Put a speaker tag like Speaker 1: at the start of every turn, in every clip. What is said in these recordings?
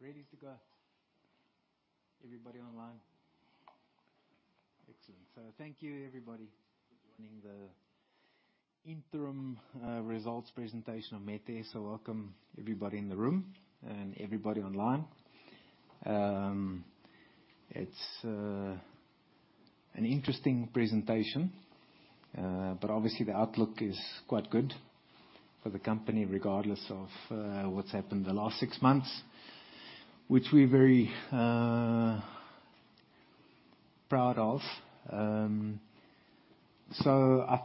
Speaker 1: Ready to go? Everybody online? Excellent. Thank you everybody for joining the interim results presentation of Metair. Welcome everybody in the room and everybody online. It's an interesting presentation, but obviously the outlook is quite good for the company regardless of what's happened in the last six months, which we're very proud of. I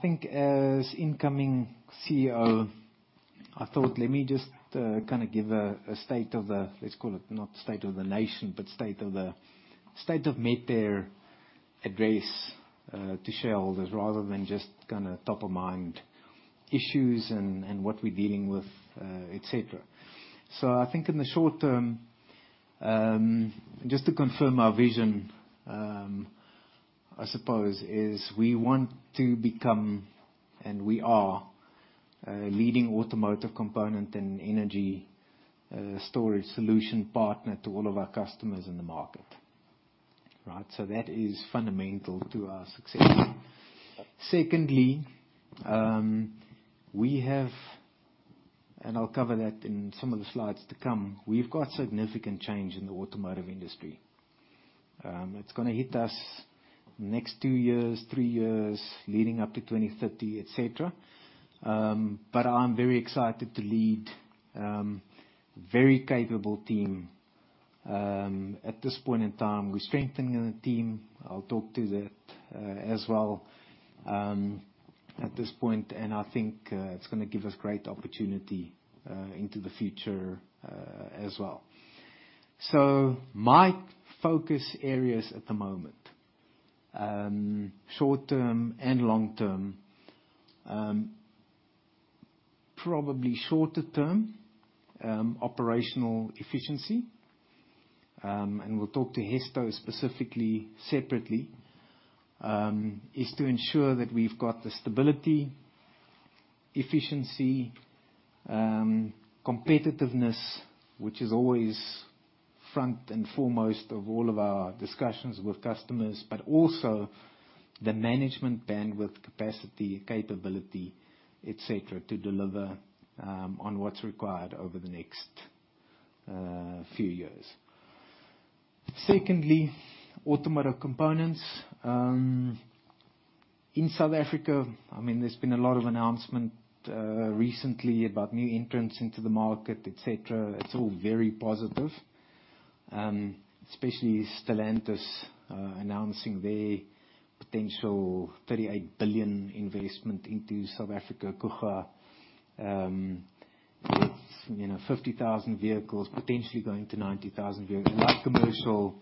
Speaker 1: think as incoming CEO, I thought, let me just give a state of the, let's call it not state of the nation, but state of Metair address to shareholders rather than just top of mind issues and what we're dealing with, et cetera. I think in the short term, just to confirm our vision, I suppose, is we want to become, and we are, a leading automotive component and energy storage solution partner to all of our customers in the market. Right? That is fundamental to our success. Secondly, we have, I'll cover that in some of the slides to come, we've got significant change in the automotive industry. It's going to hit us next two years, three years, leading up to 2030, et cetera. I'm very excited to lead very capable team. At this point in time, we're strengthening the team. I'll talk to that as well at this point, and I think it's going to give us great opportunity into the future as well. My focus areas at the moment, short term and long term. Probably shorter term, operational efficiency, and we'll talk to Hesto specifically, separately, is to ensure that we've got the stability, efficiency, competitiveness, which is always front and foremost of all of our discussions with customers. Also the management bandwidth, capacity, capability, et cetera, to deliver on what's required over the next few years. Secondly, automotive components. In South Africa, there's been a lot of announcement recently about new entrants into the market, et cetera. It's all very positive, especially Stellantis announcing their potential 38 billion investment into South Africa, Coega, with 50,000 vehicles potentially going to 90,000 vehicles. Light commercial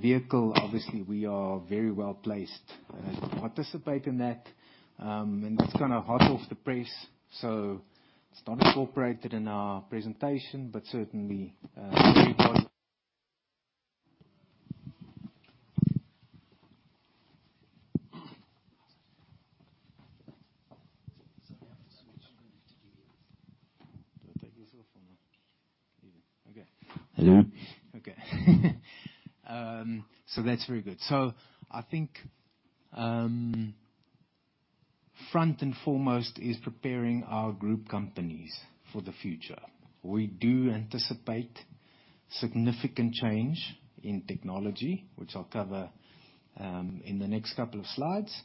Speaker 1: vehicle, obviously, we are very well-placed to participate in that. It's kind of hot off the press, so it's not incorporated in our presentation, but certainly very positive.
Speaker 2: Sorry, I have to switch.
Speaker 1: Do I take this off or no? Leave it. Okay.
Speaker 2: Hello.
Speaker 1: Okay. That's very good. I think front and foremost is preparing our group companies for the future. We do anticipate significant change in technology, which I'll cover in the next couple of slides.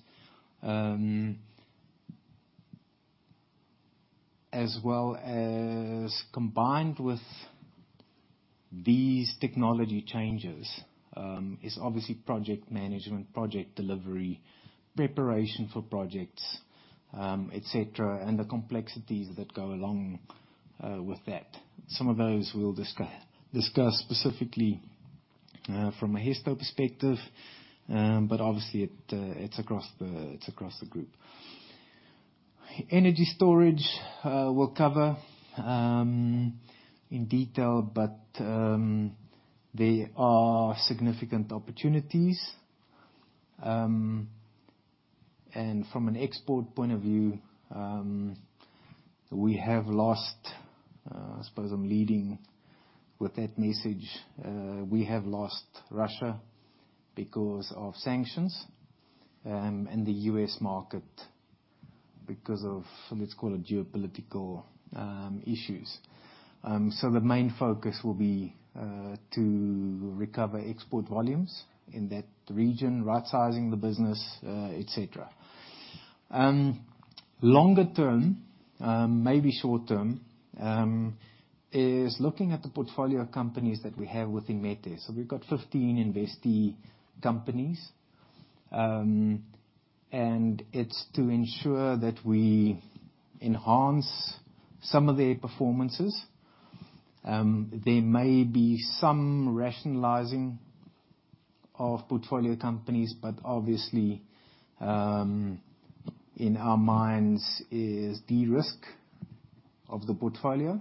Speaker 1: As well as combined with these technology changes, is obviously project management, project delivery, preparation for projects, et cetera, and the complexities that go along with that. Some of those we'll discuss specifically from a Hesto perspective, but obviously, it's across the group. Energy storage we'll cover in detail, but there are significant opportunities. From an export point of view, we have lost, I suppose I'm leading with that message. We have lost Russia because of sanctions, and the U.S. market because of, let's call it geopolitical issues. The main focus will be to recover export volumes in that region, right-sizing the business, et cetera. Longer term, maybe short term, is looking at the portfolio companies that we have within Metair. We've got 15 investee companies, and it's to ensure that we enhance some of their performances. There may be some rationalizing of portfolio companies, but obviously, in our minds is de-risk of the portfolio.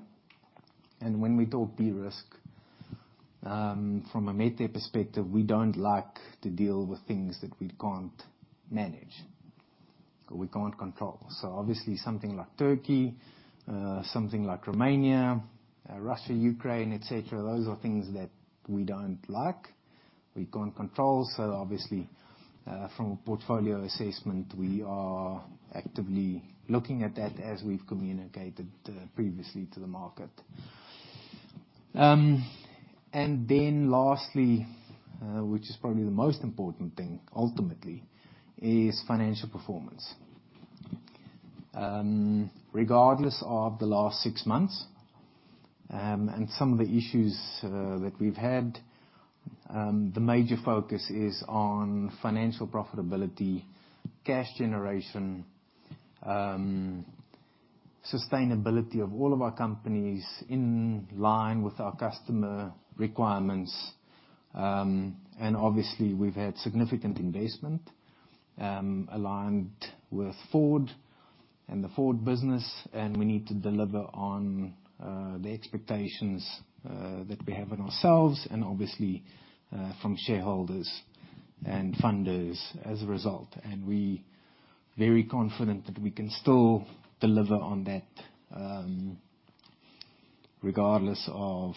Speaker 1: When we talk de-risk, from a Metair perspective, we don't like to deal with things that we can't manage. We can't control. Obviously something like Turkey, something like Romania, Russia, Ukraine, et cetera, those are things that we don't like, we can't control. Obviously, from a portfolio assessment, we are actively looking at that as we've communicated previously to the market. Then lastly, which is probably the most important thing ultimately, is financial performance. Regardless of the last six months, and some of the issues that we've had, the major focus is on financial profitability, cash generation, sustainability of all of our companies in line with our customer requirements. Obviously, we've had significant investment, aligned with Ford and the Ford business, and we need to deliver on the expectations that we have in ourselves and obviously, from shareholders and funders as a result. We very confident that we can still deliver on that, regardless of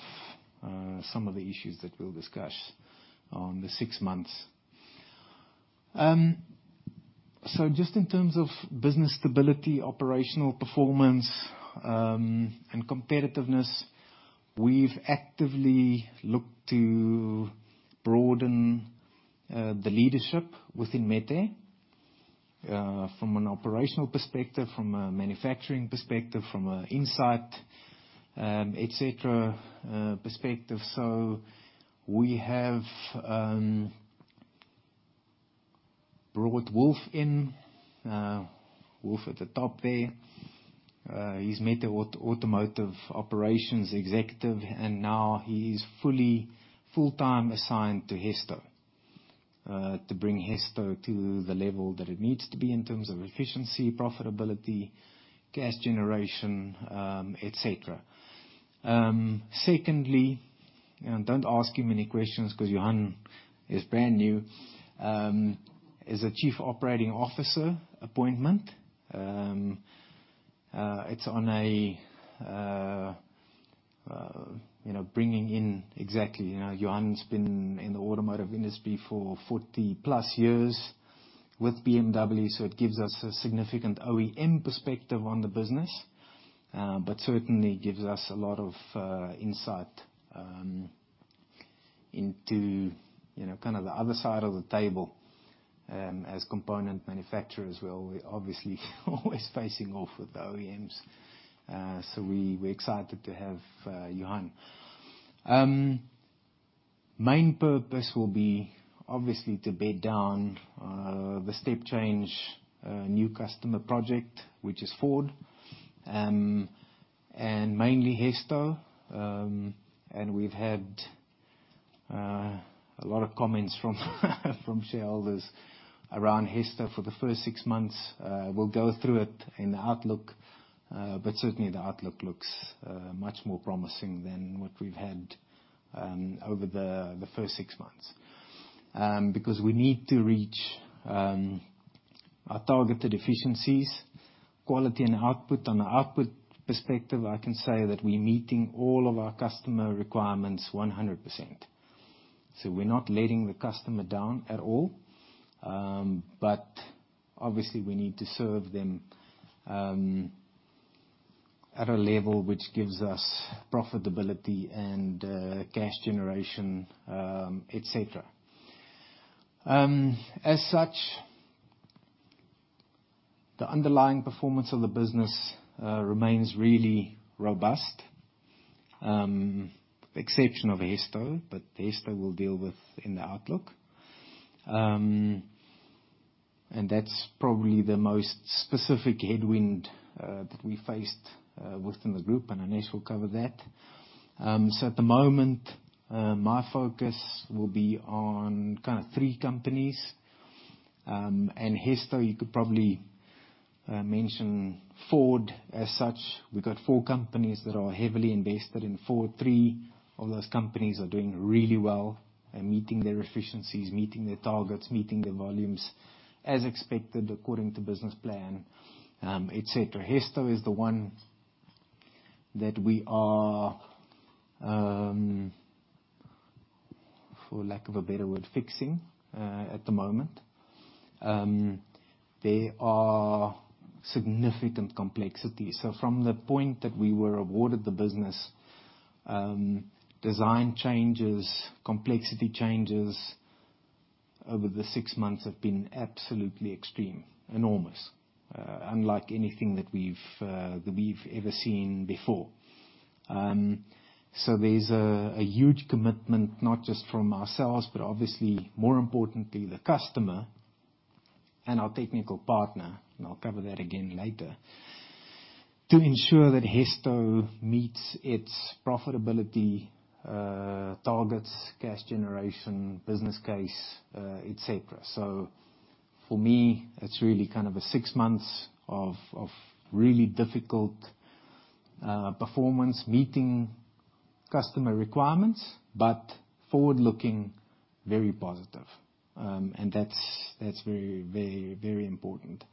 Speaker 1: some of the issues that we'll discuss on the six months. Just in terms of business stability, operational performance, and competitiveness, we've actively looked to broaden the leadership within Metair, from an operational perspective, from a manufacturing perspective, from an insight, et cetera, perspective. We have brought Wolf in. Wolf at the top there. He's Metair Automotive Operations Executive, and now he's fully full-time assigned to Hesto, to bring Hesto to the level that it needs to be in terms of efficiency, profitability, cash generation, et cetera. Don't ask him any questions because Johan is brand new. As a Chief Operating Officer appointment, it's on a bringing in exactly. Johan's been in the automotive industry for 40 plus years with BMW, so it gives us a significant OEM perspective on the business. Certainly gives us a lot of insight into the other side of the table, as component manufacturers, we're obviously always facing off with the OEMs. We're excited to have Johan. Main purpose will be obviously to bed down, the step change, new customer project, which is Ford, and mainly Hesto. We've had a lot of comments from shareholders around Hesto for the first six months. We'll go through it in the outlook. Certainly the outlook looks much more promising than what we've had over the first six months. We need to reach our targeted efficiencies, quality and output. On the output perspective, I can say that we're meeting all of our customer requirements 100%. We're not letting the customer down at all. Obviously we need to serve them at a level which gives us profitability and cash generation, et cetera. As such, the underlying performance of the business remains really robust. Exception of Hesto, but Hesto we'll deal with in the outlook. That's probably the most specific headwind that we faced within the group, and Anesh will cover that. At the moment, my focus will be on three companies, and Hesto, you could probably mention Ford as such. We've got four companies that are heavily invested in Ford. Three of those companies are doing really well and meeting their efficiencies, meeting their targets, meeting their volumes as expected, according to business plan, et cetera. Hesto is the one that we are, for lack of a better word, fixing at the moment. There are significant complexities. From the point that we were awarded the business, design changes, complexity changes over the six months have been absolutely extreme, enormous, unlike anything that we've ever seen before. There's a huge commitment, not just from ourselves, but obviously more importantly, the customer and our technical partner, and I'll cover that again later, to ensure that Hesto meets its profitability targets, cash generation, business case, et cetera. For me, it's really a six months of really difficult performance meeting customer requirements, but forward-looking, very positive. That's very important.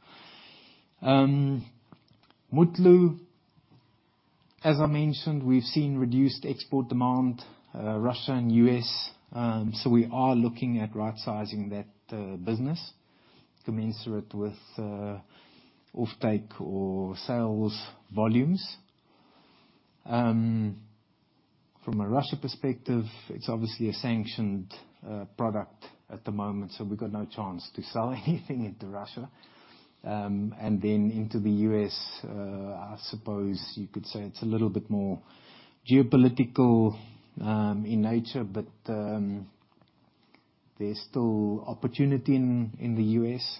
Speaker 1: Mutlu, as I mentioned, we've seen reduced export demand, Russia and U.S., we are looking at rightsizing that business commensurate with offtake or sales volumes. From a Russia perspective, it's obviously a sanctioned product at the moment, we've got no chance to sell anything into Russia. Then into the U.S., I suppose you could say it's a little bit more geopolitical in nature, but there's still opportunity in the U.S.,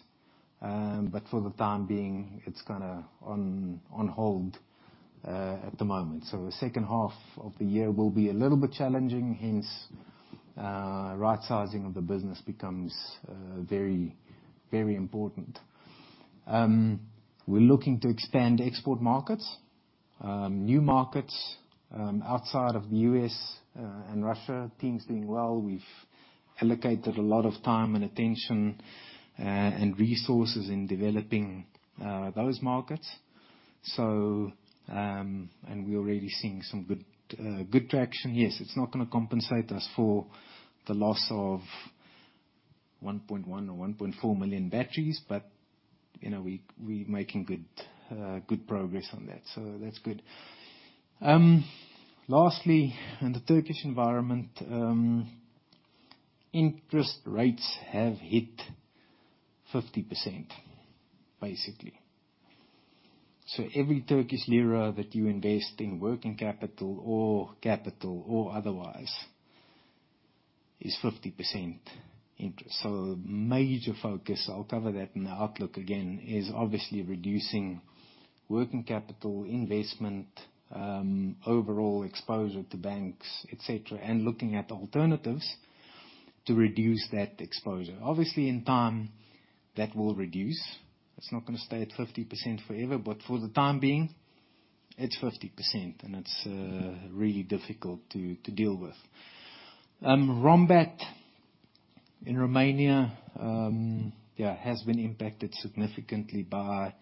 Speaker 1: but for the time being, it's on hold at the moment. The second half of the year will be a little bit challenging, hence rightsizing of the business becomes very important. We're looking to expand export markets, new markets outside of the U.S. and Russia. Team's doing well. We've allocated a lot of time and attention, and resources in developing those markets. We're already seeing some good traction. Yes, it's not going to compensate us for the loss of 1.1 or 1.4 million batteries, but we're making good progress on that, so that's good. Lastly, in the Turkish environment, interest rates have hit 50%, basically. Every TRY that you invest in working capital or capital or otherwise is 50% interest. Major focus, I'll cover that in the outlook again, is obviously reducing working capital, investment, overall exposure to banks, et cetera, and looking at alternatives to reduce that exposure. Obviously, in time, that will reduce. It's not going to stay at 50% forever, but for the time being, it's 50%, and it's really difficult to deal with. Rombat in Romania has been impacted significantly by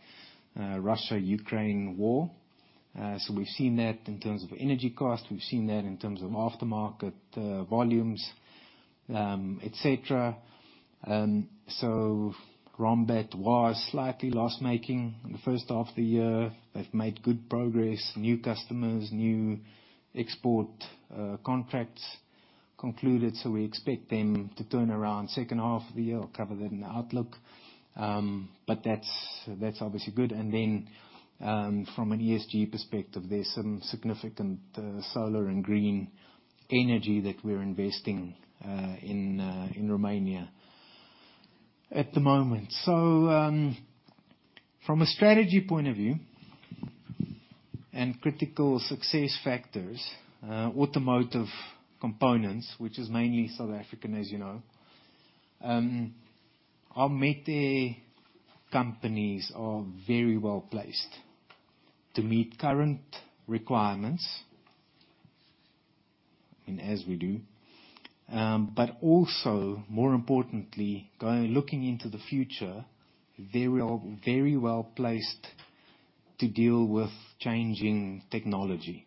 Speaker 1: Russia-Ukraine war. We've seen that in terms of energy cost, we've seen that in terms of aftermarket volumes, et cetera. Rombat was slightly loss-making in the first half of the year. They've made good progress. New customers, new export contracts concluded. We expect them to turn around second half of the year. I'll cover that in the outlook. That's obviously good. From an ESG perspective, there's some significant solar and green energy that we're investing in Romania at the moment. From a strategy point of view and critical success factors, automotive components, which is mainly South African as you know, our Metair companies are very well-placed to meet current requirements, and as we do. Also more importantly, looking into the future, very well-placed to deal with changing technology,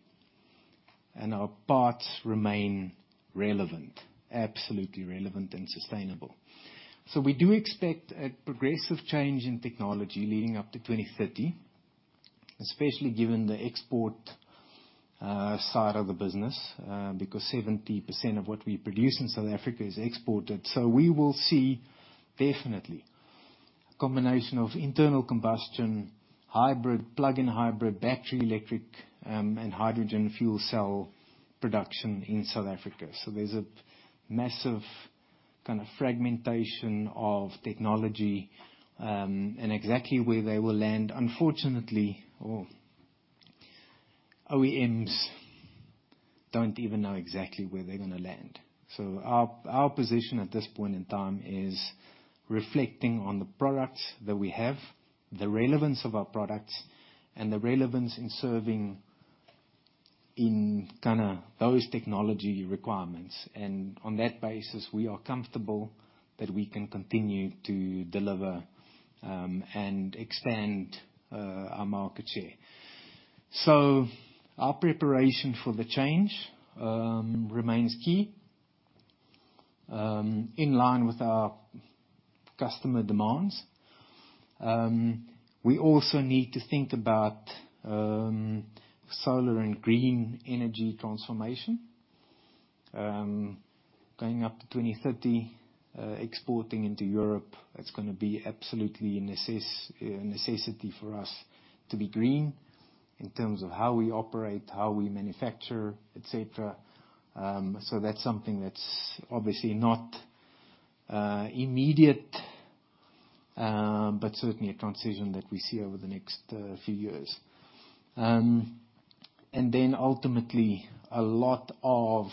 Speaker 1: and our parts remain relevant. Absolutely relevant and sustainable. We do expect a progressive change in technology leading up to 2030, especially given the export side of the business, because 70% of what we produce in South Africa is exported. We will see definitely a combination of internal combustion, hybrid, plug-in hybrid, battery, electric, and hydrogen fuel cell production in South Africa. There's a massive kind of fragmentation of technology, and exactly where they will land, unfortunately, OEMs don't even know exactly where they're going to land. Our position at this point in time is reflecting on the products that we have, the relevance of our products, and the relevance in serving in those technology requirements. On that basis, we are comfortable that we can continue to deliver, and extend our market share. Our preparation for the change remains key, in line with our customer demands. We also need to think about solar and green energy transformation. Going up to 2030, exporting into Europe, it's going to be absolutely a necessity for us to be green in terms of how we operate, how we manufacture, et cetera. That's something that's obviously not immediate, but certainly a transition that we see over the next few years. Ultimately, a lot of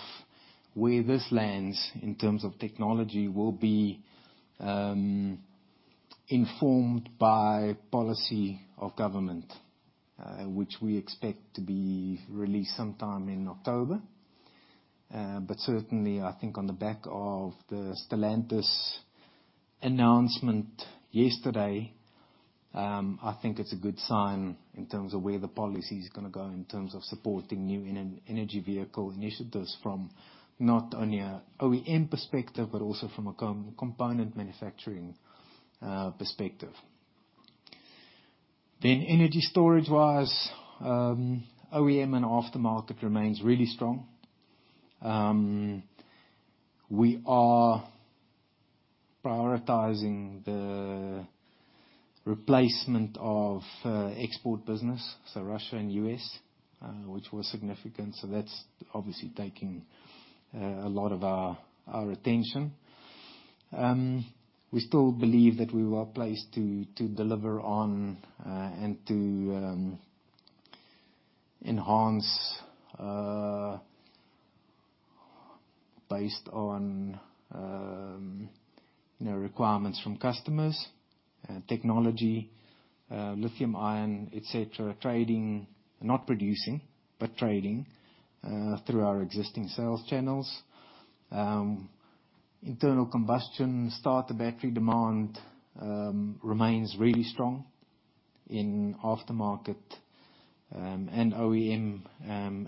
Speaker 1: where this lands in terms of technology will be informed by policy of government, which we expect to be released sometime in October. Certainly, I think on the back of the Stellantis announcement yesterday, I think it's a good sign in terms of where the policy's going to go in terms of supporting new energy vehicle initiatives from not only an OEM perspective, but also from a component manufacturing perspective. Energy storage-wise, OEM and aftermarket remains really strong. We are prioritizing the replacement of export business, Russia and U.S., which was significant. That's obviously taking a lot of our attention. We still believe that we are placed to deliver on and to enhance based on requirements from customers, technology, lithium-ion, et cetera, trading, not producing, but trading through our existing sales channels. Internal combustion starter battery demand remains really strong in aftermarket and OEM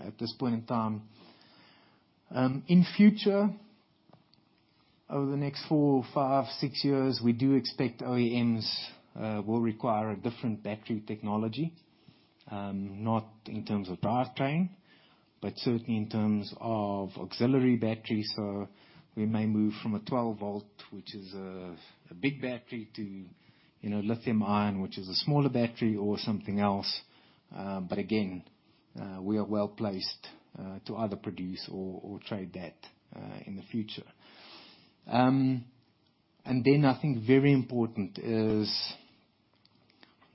Speaker 1: at this point in time. In future, over the next four, five, six years, we do expect OEMs will require a different battery technology. Not in terms of powertrain, but certainly in terms of auxiliary batteries. We may move from a 12 volt, which is a big battery, to lithium-ion, which is a smaller battery, or something else. Again, we are well-placed to either produce or trade that in the future. I think very important is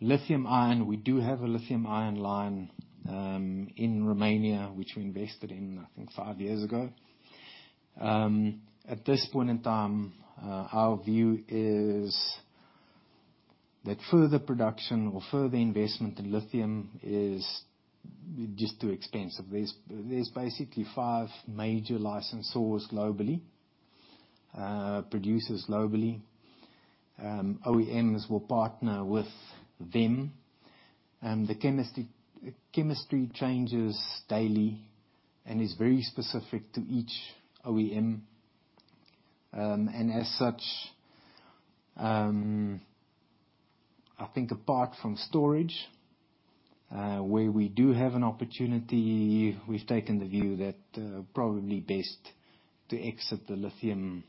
Speaker 1: lithium-ion. We do have a lithium-ion line in Romania which we invested in, I think, five years ago. At this point in time, our view is that further production or further investment in lithium is just too expensive. There's basically five major licensors globally, producers globally. OEMs will partner with them. The chemistry changes daily and is very specific to each OEM. As such, I think apart from storage, where we do have an opportunity, we've taken the view that probably best to exit the lithium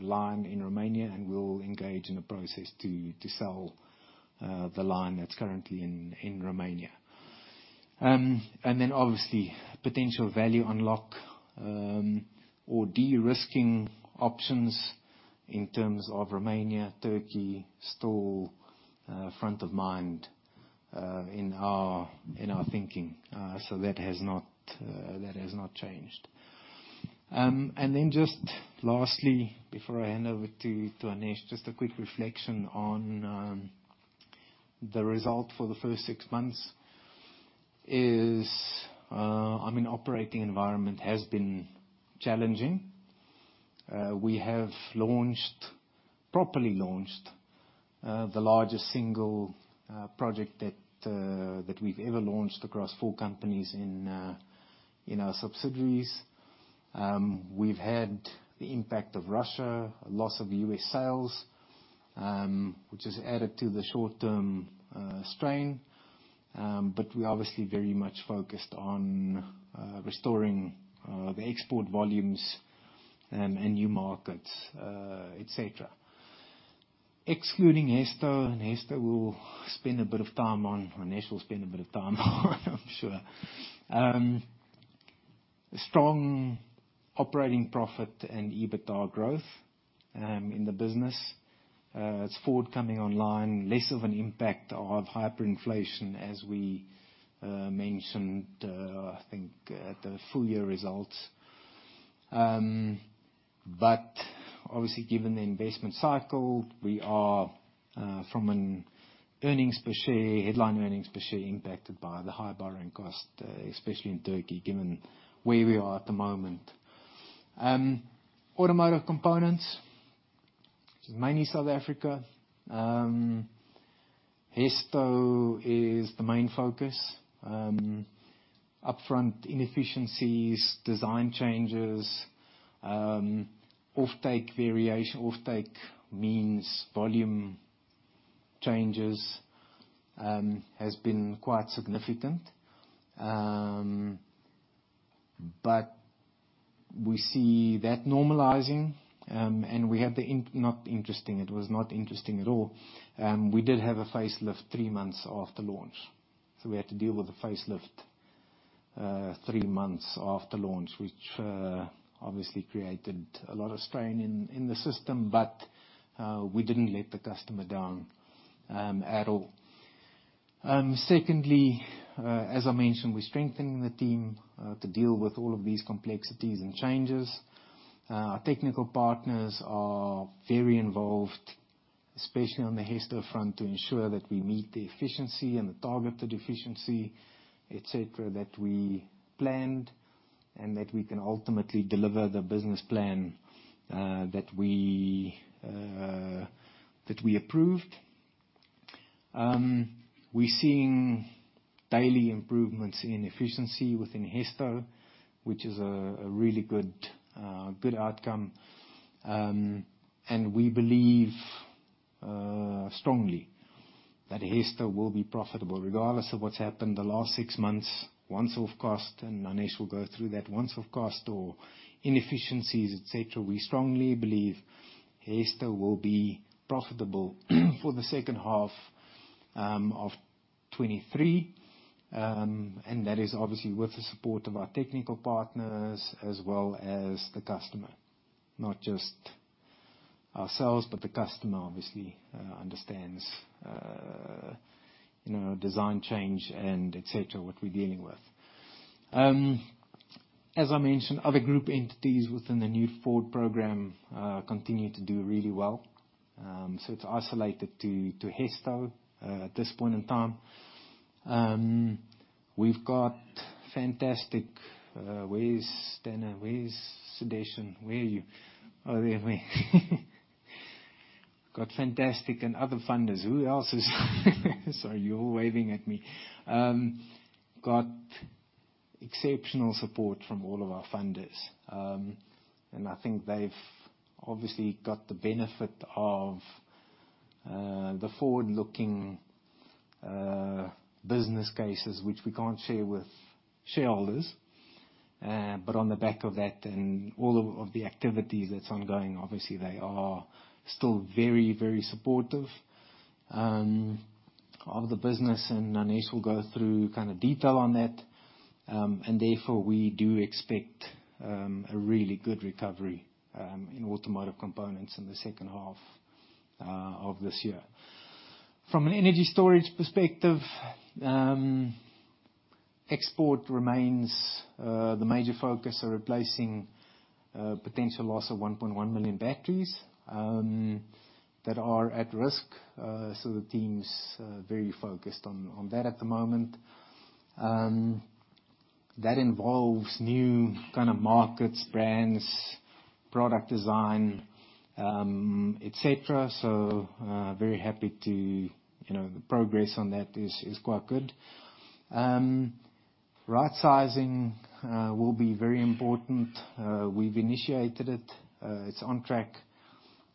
Speaker 1: line in Romania and we'll engage in a process to sell the line that's currently in Romania. Obviously, potential value unlock, or de-risking options in terms of Romania, Turkey, still front of mind in our thinking. That has not changed. Just lastly, before I hand over to Anesh, just a quick reflection on the result for the first six months is, operating environment has been challenging. We have properly launched the largest single project that we've ever launched across four companies in our subsidiaries. We've had the impact of Russia, a loss of U.S. sales, which has added to the short-term strain. We're obviously very much focused on restoring the export volumes, and new markets, et cetera. Excluding Hesto, and Hesto we'll spend a bit of time on, Anesh will spend a bit of time on I'm sure. Strong operating profit and EBITDA growth in the business. As Ford coming online, less of an impact of hyperinflation, as we mentioned, I think at the full year results. Obviously, given the investment cycle, we are, from an headline earnings per share impacted by the high borrowing cost, especially in Turkey, given where we are at the moment. Automotive components, which is mainly South Africa. Hesto is the main focus. Upfront inefficiencies, design changes, off-take means volume changes, has been quite significant. We see that normalizing, and we have the, not interesting, it was not interesting at all. We did have a facelift three months after launch. We had to deal with the facelift three months after launch, which obviously created a lot of strain in the system. We didn't let the customer down at all. Secondly, as I mentioned, we're strengthening the team to deal with all of these complexities and changes. Our technical partners are very involved, especially on the Hesto front, to ensure that we meet the efficiency and the targeted efficiency, et cetera, that we planned, and that we can ultimately deliver the business plan that we approved. We're seeing daily improvements in efficiency within Hesto, which is a really good outcome. We believe strongly that Hesto will be profitable regardless of what's happened the last six months, once-off cost, Anesh will go through that. Once-off cost or inefficiencies, et cetera. We strongly believe Hesto will be profitable for the second half of 2023. That is obviously with the support of our technical partners as well as the customer. Not just ourselves, but the customer obviously understands design change and et cetera, what we're dealing with. As I mentioned, other group entities within the new Ford program continue to do really well. It's isolated to Hesto at this point in time. Where is Stana? Where is Sedation? Where are you? We've got fantastic and other funders. Who else is Sorry, you're all waving at me. We've got exceptional support from all of our funders, and I think they've obviously got the benefit of the forward-looking business cases, which we can't share with shareholders. On the back of that and all of the activities that's ongoing, obviously they are still very, very supportive of the business. Anesh will go through detail on that. Therefore, we do expect a really good recovery in automotive components in the second half of this year. From an energy storage perspective, export remains the major focus of replacing potential loss of 1.1 million batteries that are at risk. The team's very focused on that at the moment. That involves new markets, brands, product design, et cetera. The progress on that is quite good. Right sizing will be very important. We've initiated it. It's on track.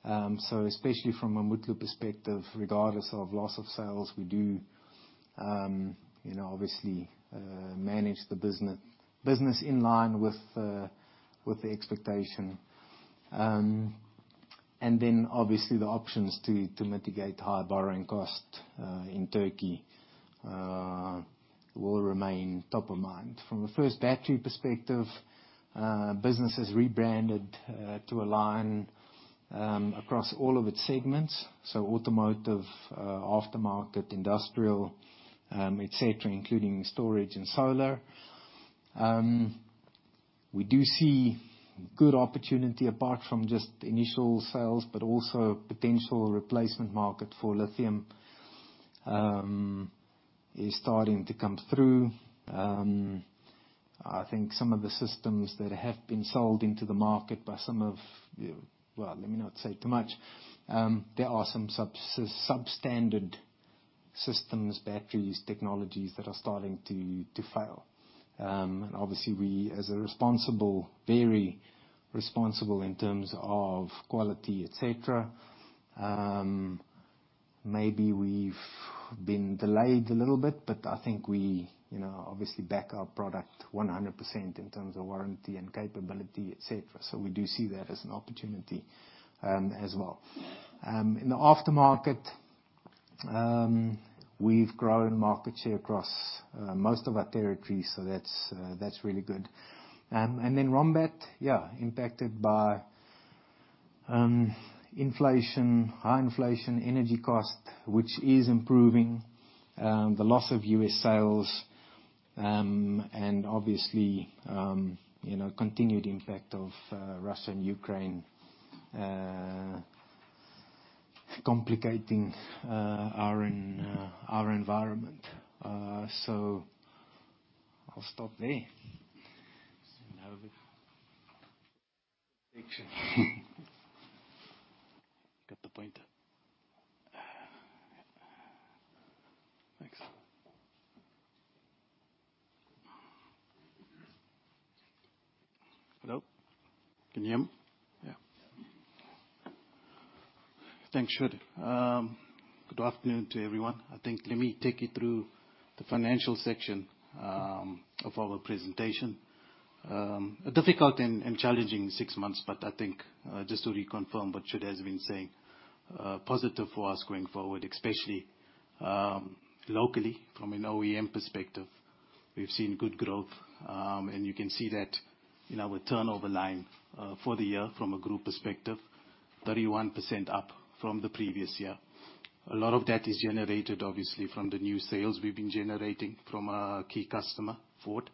Speaker 1: Especially from a Mutlu perspective, regardless of loss of sales, we do obviously manage the business in line with the expectation. Then obviously the options to mitigate high borrowing cost in Turkey will remain top of mind. From a First Battery perspective, business has rebranded to align across all of its segments. Automotive, aftermarket, industrial, et cetera, including storage and solar. We do see good opportunity apart from just initial sales, but also potential replacement market for lithium is starting to come through. I think some of the systems that have been sold into the market by some of the, well, let me not say too much. There are some substandard systems, batteries, technologies that are starting to fail. Obviously we as a very responsible in terms of quality, et cetera, maybe we've been delayed a little bit, but I think we obviously back our product 100% in terms of warranty and capability, et cetera. We do see that as an opportunity as well. In the aftermarket, we've grown market share across most of our territories, so that's really good. Then Rombat impacted by inflation, high inflation, energy cost, which is improving. The loss of U.S. sales, and obviously continued impact of Russia and Ukraine complicating our environment. I'll stop there. Now I've got the pointer. Thanks.
Speaker 3: Hello, can you hear me? Thanks, Stuart. Good afternoon to everyone. I think let me take you through the financial section of our presentation. A difficult and challenging six months, but I think, just to reconfirm what Stuart has been saying, positive for us going forward, especially locally from an OEM perspective. We've seen good growth, and you can see that in our turnover line for the year from a group perspective, 31% up from the previous year. A lot of that is generated obviously from the new sales we've been generating from our key customer, Ford,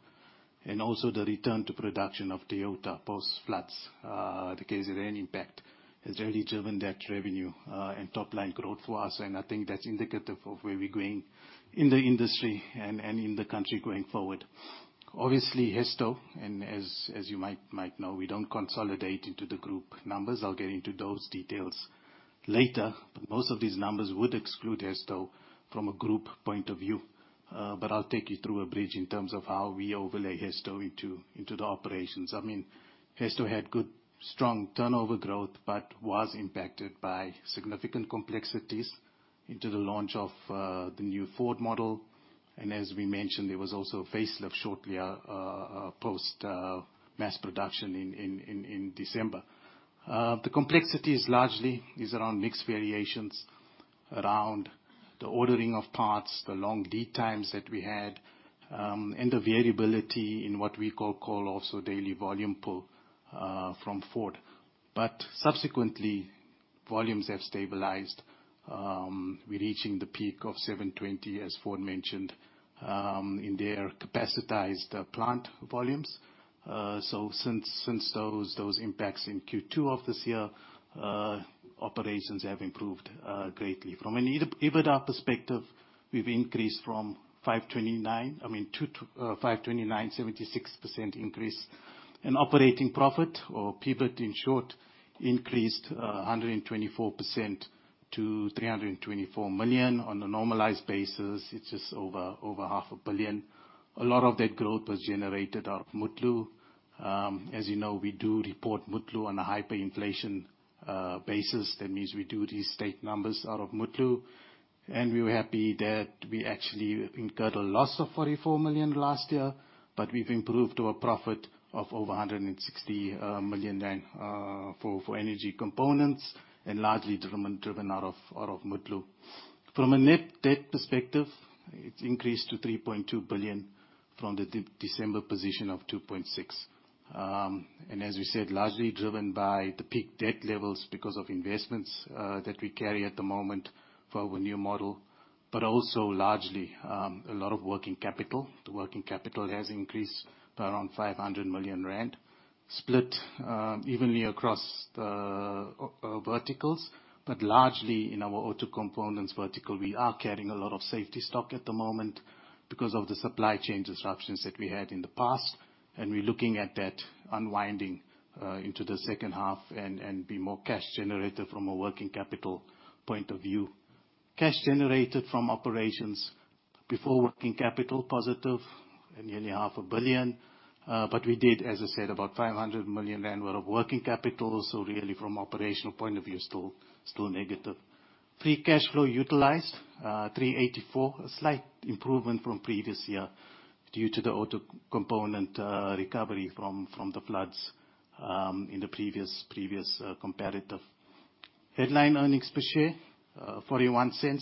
Speaker 3: and also the return to production of Toyota post-floods. The KZN impact has really driven that revenue, and top-line growth for us, and I think that's indicative of where we're going in the industry and in the country going forward. Hesto, as you might know, we don't consolidate into the group numbers. I'll get into those details later. Most of these numbers would exclude Hesto from a group point of view. I'll take you through a bridge in terms of how we overlay Hesto into the operations. Hesto had good, strong turnover growth, but was impacted by significant complexities into the launch of the new Ford model. As we mentioned, there was also a facelift shortly post mass production in December. The complexity is largely around mixed variations, around the ordering of parts, the long lead times that we had, and the variability in what we call also daily volume pull from Ford. Subsequently, volumes have stabilized. We're reaching the peak of 720, as Ford mentioned, in their capacitized plant volumes. Since those impacts in Q2 of this year, operations have improved greatly. From an EBITDA perspective, we've increased from 529, 76% increase in operating profit or PBIT, in short, increased 124% to 324 million. On a normalized basis, it's just over half a billion. A lot of that growth was generated out of Mutlu. As you know, we do report Mutlu on a hyperinflation basis. That means we do restate numbers out of Mutlu, and we're happy that we actually incurred a loss of 44 million last year, but we've improved to a profit of over 160 million rand for energy components and largely driven out of Mutlu. From a net debt perspective, it increased to 3.2 billion from the December position of 2.6 billion. As we said, largely driven by the peak debt levels because of investments that we carry at the moment for our new model. Also largely, a lot of working capital. The working capital has increased by around 500 million rand, split evenly across the verticals, but largely in our auto components vertical, we are carrying a lot of safety stock at the moment because of the supply chain disruptions that we had in the past. We're looking at that unwinding into the second half and be more cash generative from a working capital point of view. Cash generated from operations before working capital, positive, nearly half a billion. We did, as I said, about 500 million rand worth of working capital. Really from operational point of view, still negative. Free cash flow utilized, 384. A slight improvement from previous year due to the auto component recovery from the floods in the previous comparative. Headline earnings per share, 0.41,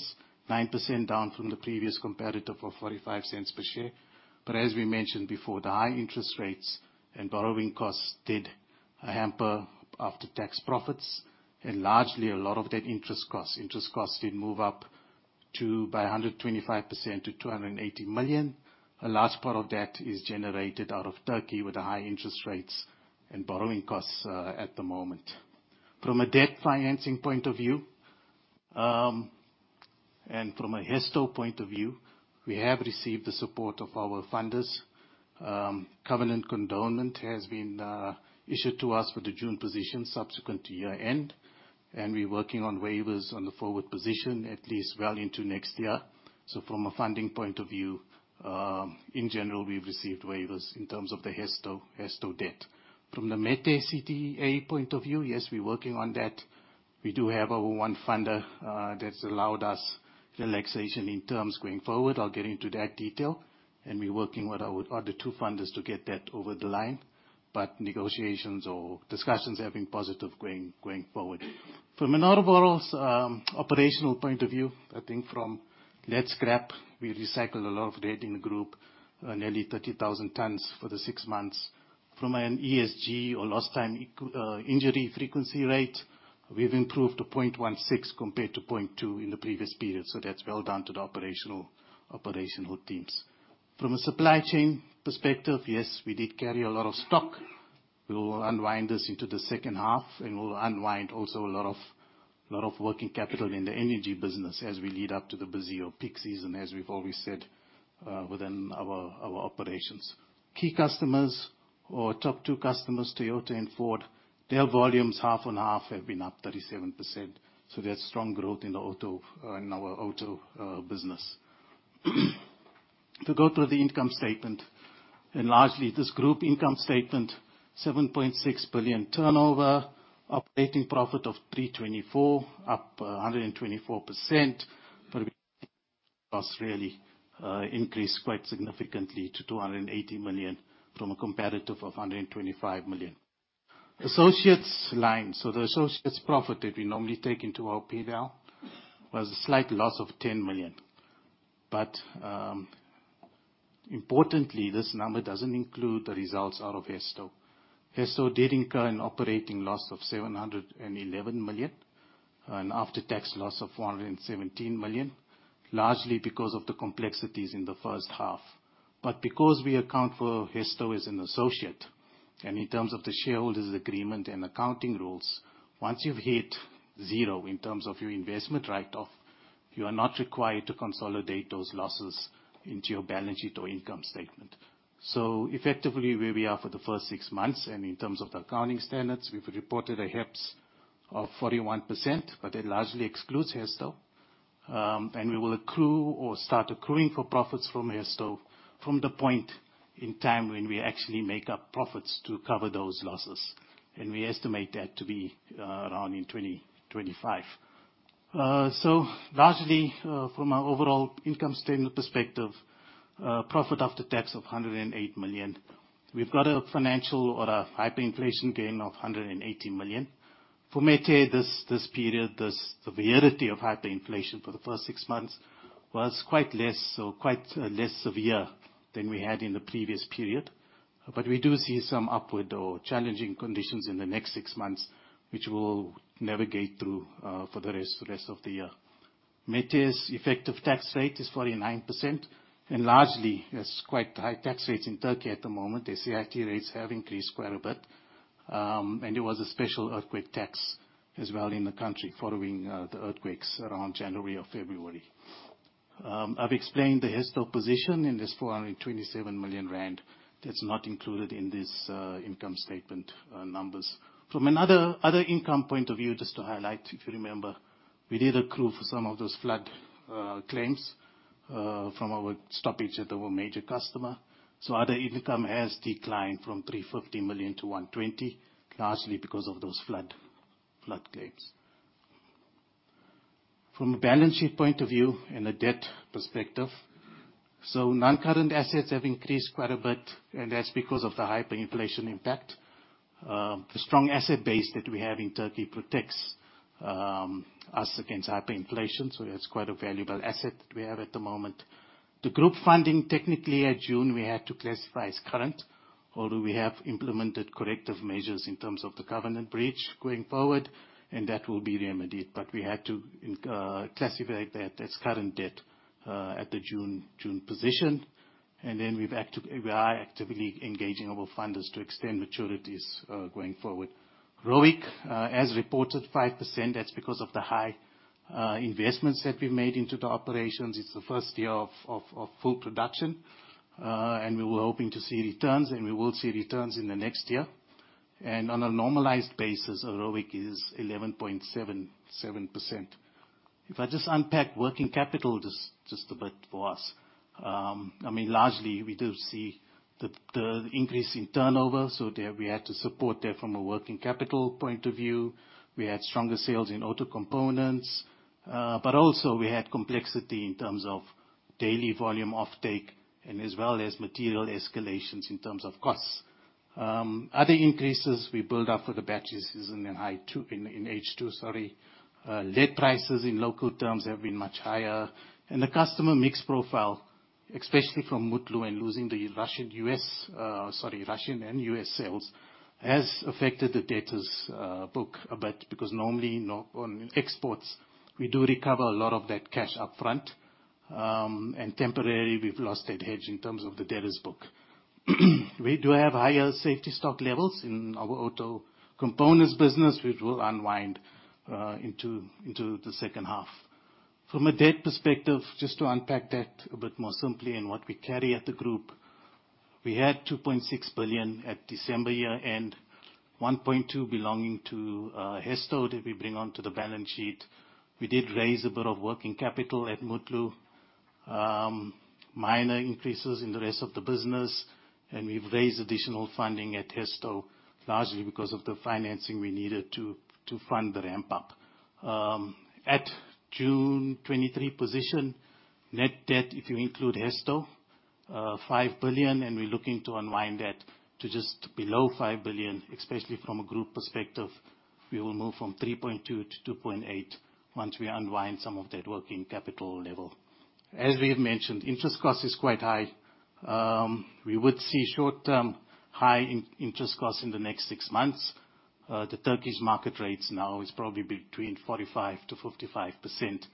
Speaker 3: 9% down from the previous comparative of 0.45 per share. As we mentioned before, the high interest rates and borrowing costs did hamper after-tax profits, and largely a lot of that interest cost. Interest costs did move up by 125% to 280 million. A large part of that is generated out of Turkey with the high interest rates and borrowing costs at the moment. From a debt financing point of view, and from a Hesto point of view, we have received the support of our funders. Covenant condonement has been issued to us for the June position subsequent to year-end, and we are working on waivers on the forward position at least well into next year. From a funding point of view, in general, we have received waivers in terms of the Hesto debt. From the Metair CTA point of view, yes, we are working on that. We do have over one funder that has allowed us relaxation in terms going forward. I will get into that detail, and we are working with our other two funders to get that over the line. Negotiations or discussions are being positive going forward. From an overall operational point of view, I think from net scrap, we recycle a lot of debt in the group, nearly 30,000 tons for the six months. From an ESG or lost time injury frequency rate, we have improved to 0.16 compared to 0.2 in the previous period, so that is well done to the operational teams. From a supply chain perspective, yes, we did carry a lot of stock. We will unwind this into the second half, and we will unwind also a lot of working capital in the energy business as we lead up to the busy or peak season, as we have always said, within our operations. Key customers or top two customers, Toyota and Ford, their volumes half on half have been up 37%. That is strong growth in our auto business. To go through the income statement, and largely this group income statement, 7.6 billion turnover, operating profit of 324 million, up 124%. It has really increased quite significantly to 280 million from a comparative of 125 million. Associates line. The associates profit that we normally take into our P&L was a slight loss of 10 million. Importantly, this number does not include the results out of Hesto. Hesto did incur an operating loss of 711 million, an after-tax loss of 417 million, largely because of the complexities in the first half. Because we account for Hesto as an associate, and in terms of the shareholders' agreement and accounting rules, once you have hit zero in terms of your investment write-off, you are not required to consolidate those losses into your balance sheet or income statement. Effectively, where we are for the first six months, and in terms of the accounting standards, we have reported a HEPS of 41%, but it largely excludes Hesto. We will accrue or start accruing for profits from Hesto from the point in time when we actually make up profits to cover those losses. We estimate that to be around in 2025. Largely, from an overall income statement perspective, profit after tax of 108 million. We've got a financial or a hyperinflation gain of 180 million. For Metair, this period, the virality of hyperinflation for the first six months was quite less severe than we had in the previous period. We do see some upward or challenging conditions in the next six months, which we'll navigate through for the rest of the year. Metair's effective tax rate is 49%, and largely, there's quite high tax rates in Turkey at the moment. The CIT rates have increased quite a bit. There was a special earthquake tax as well in the country following the earthquakes around January or February. I've explained the Hesto position in this 427 million rand. That's not included in this income statement numbers. From another income point of view, just to highlight, if you remember, we did accrue for some of those flood claims from our stoppage at our major customer. Other income has declined from 350 million to 120 million, largely because of those flood claims. From a balance sheet point of view and a debt perspective, non-current assets have increased quite a bit, and that's because of the hyperinflation impact. The strong asset base that we have in Turkey protects us against hyperinflation, so that's quite a valuable asset that we have at the moment. The group funding, technically at June, we had to classify as current, although we have implemented corrective measures in terms of the covenant breach going forward, and that will be remedied. We had to classify that as current debt at the June position. We are actively engaging our funders to extend maturities going forward. ROIC, as reported, 5%. That's because of the high investments that we've made into the operations. It's the first year of full production. We were hoping to see returns, and we will see returns in the next year. On a normalized basis, ROIC is 11.77%. If I just unpack working capital just a bit for us. Largely, we do see the increase in turnover, so there we had to support that from a working capital point of view. We had stronger sales in auto components. Also we had complexity in terms of daily volume offtake and as well as material escalations in terms of costs. Other increases we build up for the batches is in H2. Lead prices in local terms have been much higher. The customer mix profile, especially from Mutlu and losing the Russian and U.S. sales, has affected the debtors book a bit because normally on exports, we do recover a lot of that cash upfront. Temporarily, we've lost that hedge in terms of the debtors book. We do have higher safety stock levels in our auto components business, which will unwind into the second half. From a debt perspective, just to unpack that a bit more simply and what we carry at the group, we had 2.6 billion at December year-end, 1.2 billion belonging to Hesto that we bring onto the balance sheet. We did raise a bit of working capital at Mutlu. Minor increases in the rest of the business, and we've raised additional funding at Hesto, largely because of the financing we needed to fund the ramp-up. At June 2023 position, net debt, if you include Hesto, 5 billion, and we're looking to unwind that to just below 5 billion. Especially from a group perspective, we will move from 3.2 billion to 2.8 billion once we unwind some of that working capital level. As we have mentioned, interest cost is quite high. We would see short-term high interest costs in the next six months. The Turkish market rates now is probably between 45%-55%.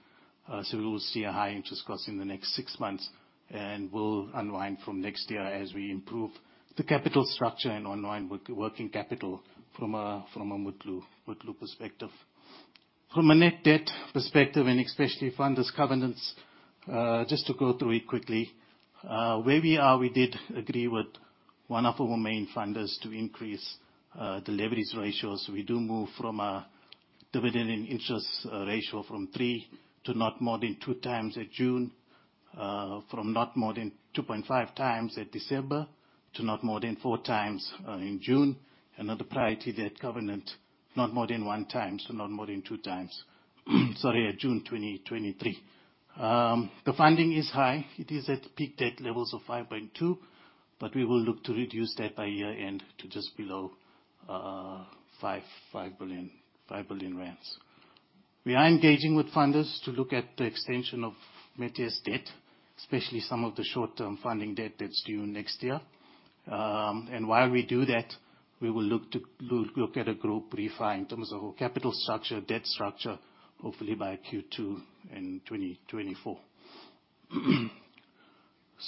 Speaker 3: We will see a high interest cost in the next six months, and we'll unwind from next year as we improve the capital structure and unwind working capital from a Mutlu perspective. From a net debt perspective and especially funders' covenants, just to go through it quickly. Where we are, we did agree with one of our main funders to increase the leverage ratios. We do move from a dividend and interest ratio from three to not more than two times at June, from not more than 2.5 times at December, to not more than four times in June. Another priority debt covenant not more than one time, so not more than two times. Sorry, at June 2023. The funding is high. It is at peak debt levels of 5.2 billion, but we will look to reduce that by year-end to just below 5 billion rand. While we do that, we will look at a group refi in terms of our capital structure, debt structure, hopefully by Q2 2024.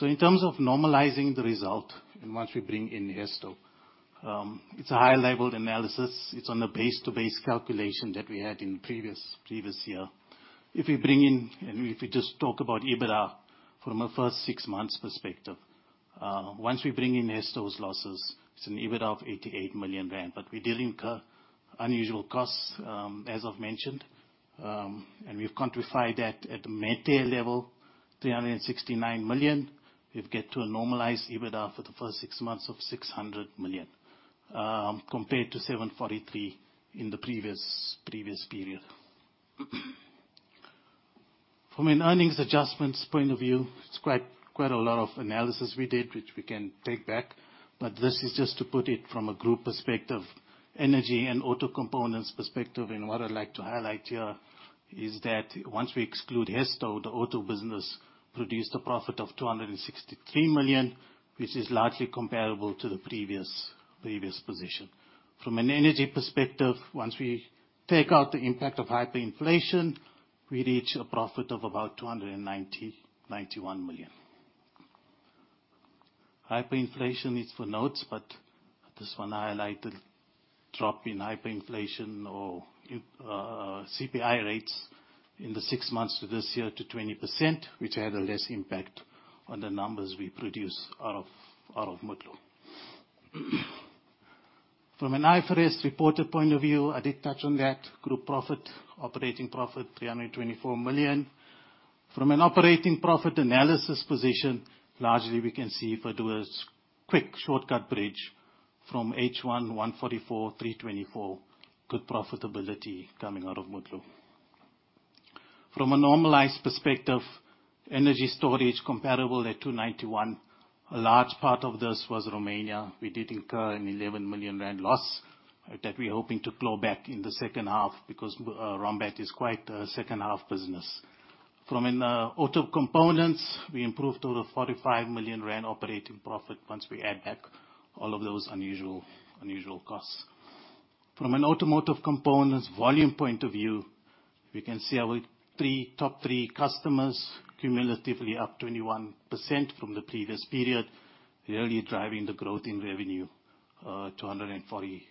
Speaker 3: In terms of normalizing the result, and once we bring in Hesto, it's a high-level analysis. It's on the base-to-base calculation that we had in the previous year. If we bring in, and if we just talk about EBITDA from a first six months perspective, once we bring in Hesto's losses, it's an EBITDA of 88 million rand. We did incur unusual costs, as I've mentioned, and we've quantified that at the Metair level, 369 million. We've get to a normalized EBITDA for the first six months of 600 million, compared to 743 million in the previous period. From an earnings adjustments point of view, it's quite a lot of analysis we did, which we can take back. This is just to put it from a group perspective, energy and auto components perspective. What I'd like to highlight here is that once we exclude Hesto, the auto business produced a profit of 263 million, which is largely comparable to the previous position. From an energy perspective, once we take out the impact of hyperinflation, we reach a profit of about 291 million. Hyperinflation is for notes, I just want to highlight the drop in hyperinflation or CPI rates in the six months to this year to 20%, which had a less impact on the numbers we produce out of Mutlu. From an IFRS reported point of view, I did touch on that. Group profit, operating profit, 324 million. From an operating profit analysis position, largely we can see if I do a quick shortcut bridge from H1, 144 million, 324 million, good profitability coming out of Mutlu. From a normalized perspective, energy storage comparable at 291 million. A large part of this was Romania. We did incur an 11 million rand loss that we're hoping to claw back in the second half because Rombat is quite a second half business. From an auto components, we improved to the 45 million rand operating profit once we add back all of those unusual costs. From an automotive components volume point of view, we can see our top three customers cumulatively up 21% from the previous period, really driving the growth in revenue to 147%.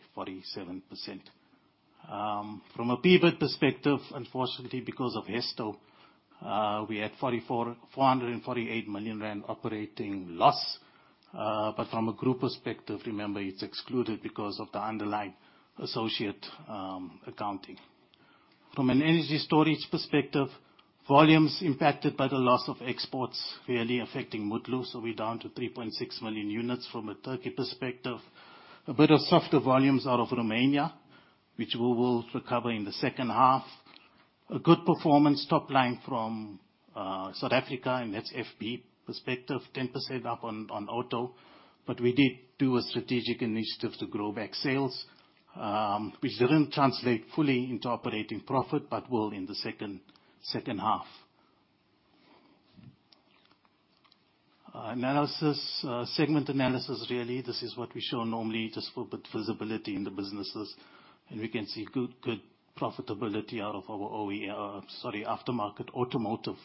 Speaker 3: From a PBIT perspective, unfortunately because of Hesto, we had 448 million rand operating loss. From a group perspective, remember it's excluded because of the underlying associate accounting. From an energy storage perspective, volumes impacted by the loss of exports really affecting Mutlu, we're down to 3.6 million units from a Turkey perspective. A bit of softer volumes out of Romania, which we will recover in the second half. A good performance top line from South Africa, that's FB perspective, 10% up on auto. We did do a strategic initiative to grow back sales, which didn't translate fully into operating profit but will in the second half. Analysis, segment analysis, really, this is what we show normally just for a bit of visibility in the businesses. We can see good profitability out of our OE, sorry, aftermarket automotive,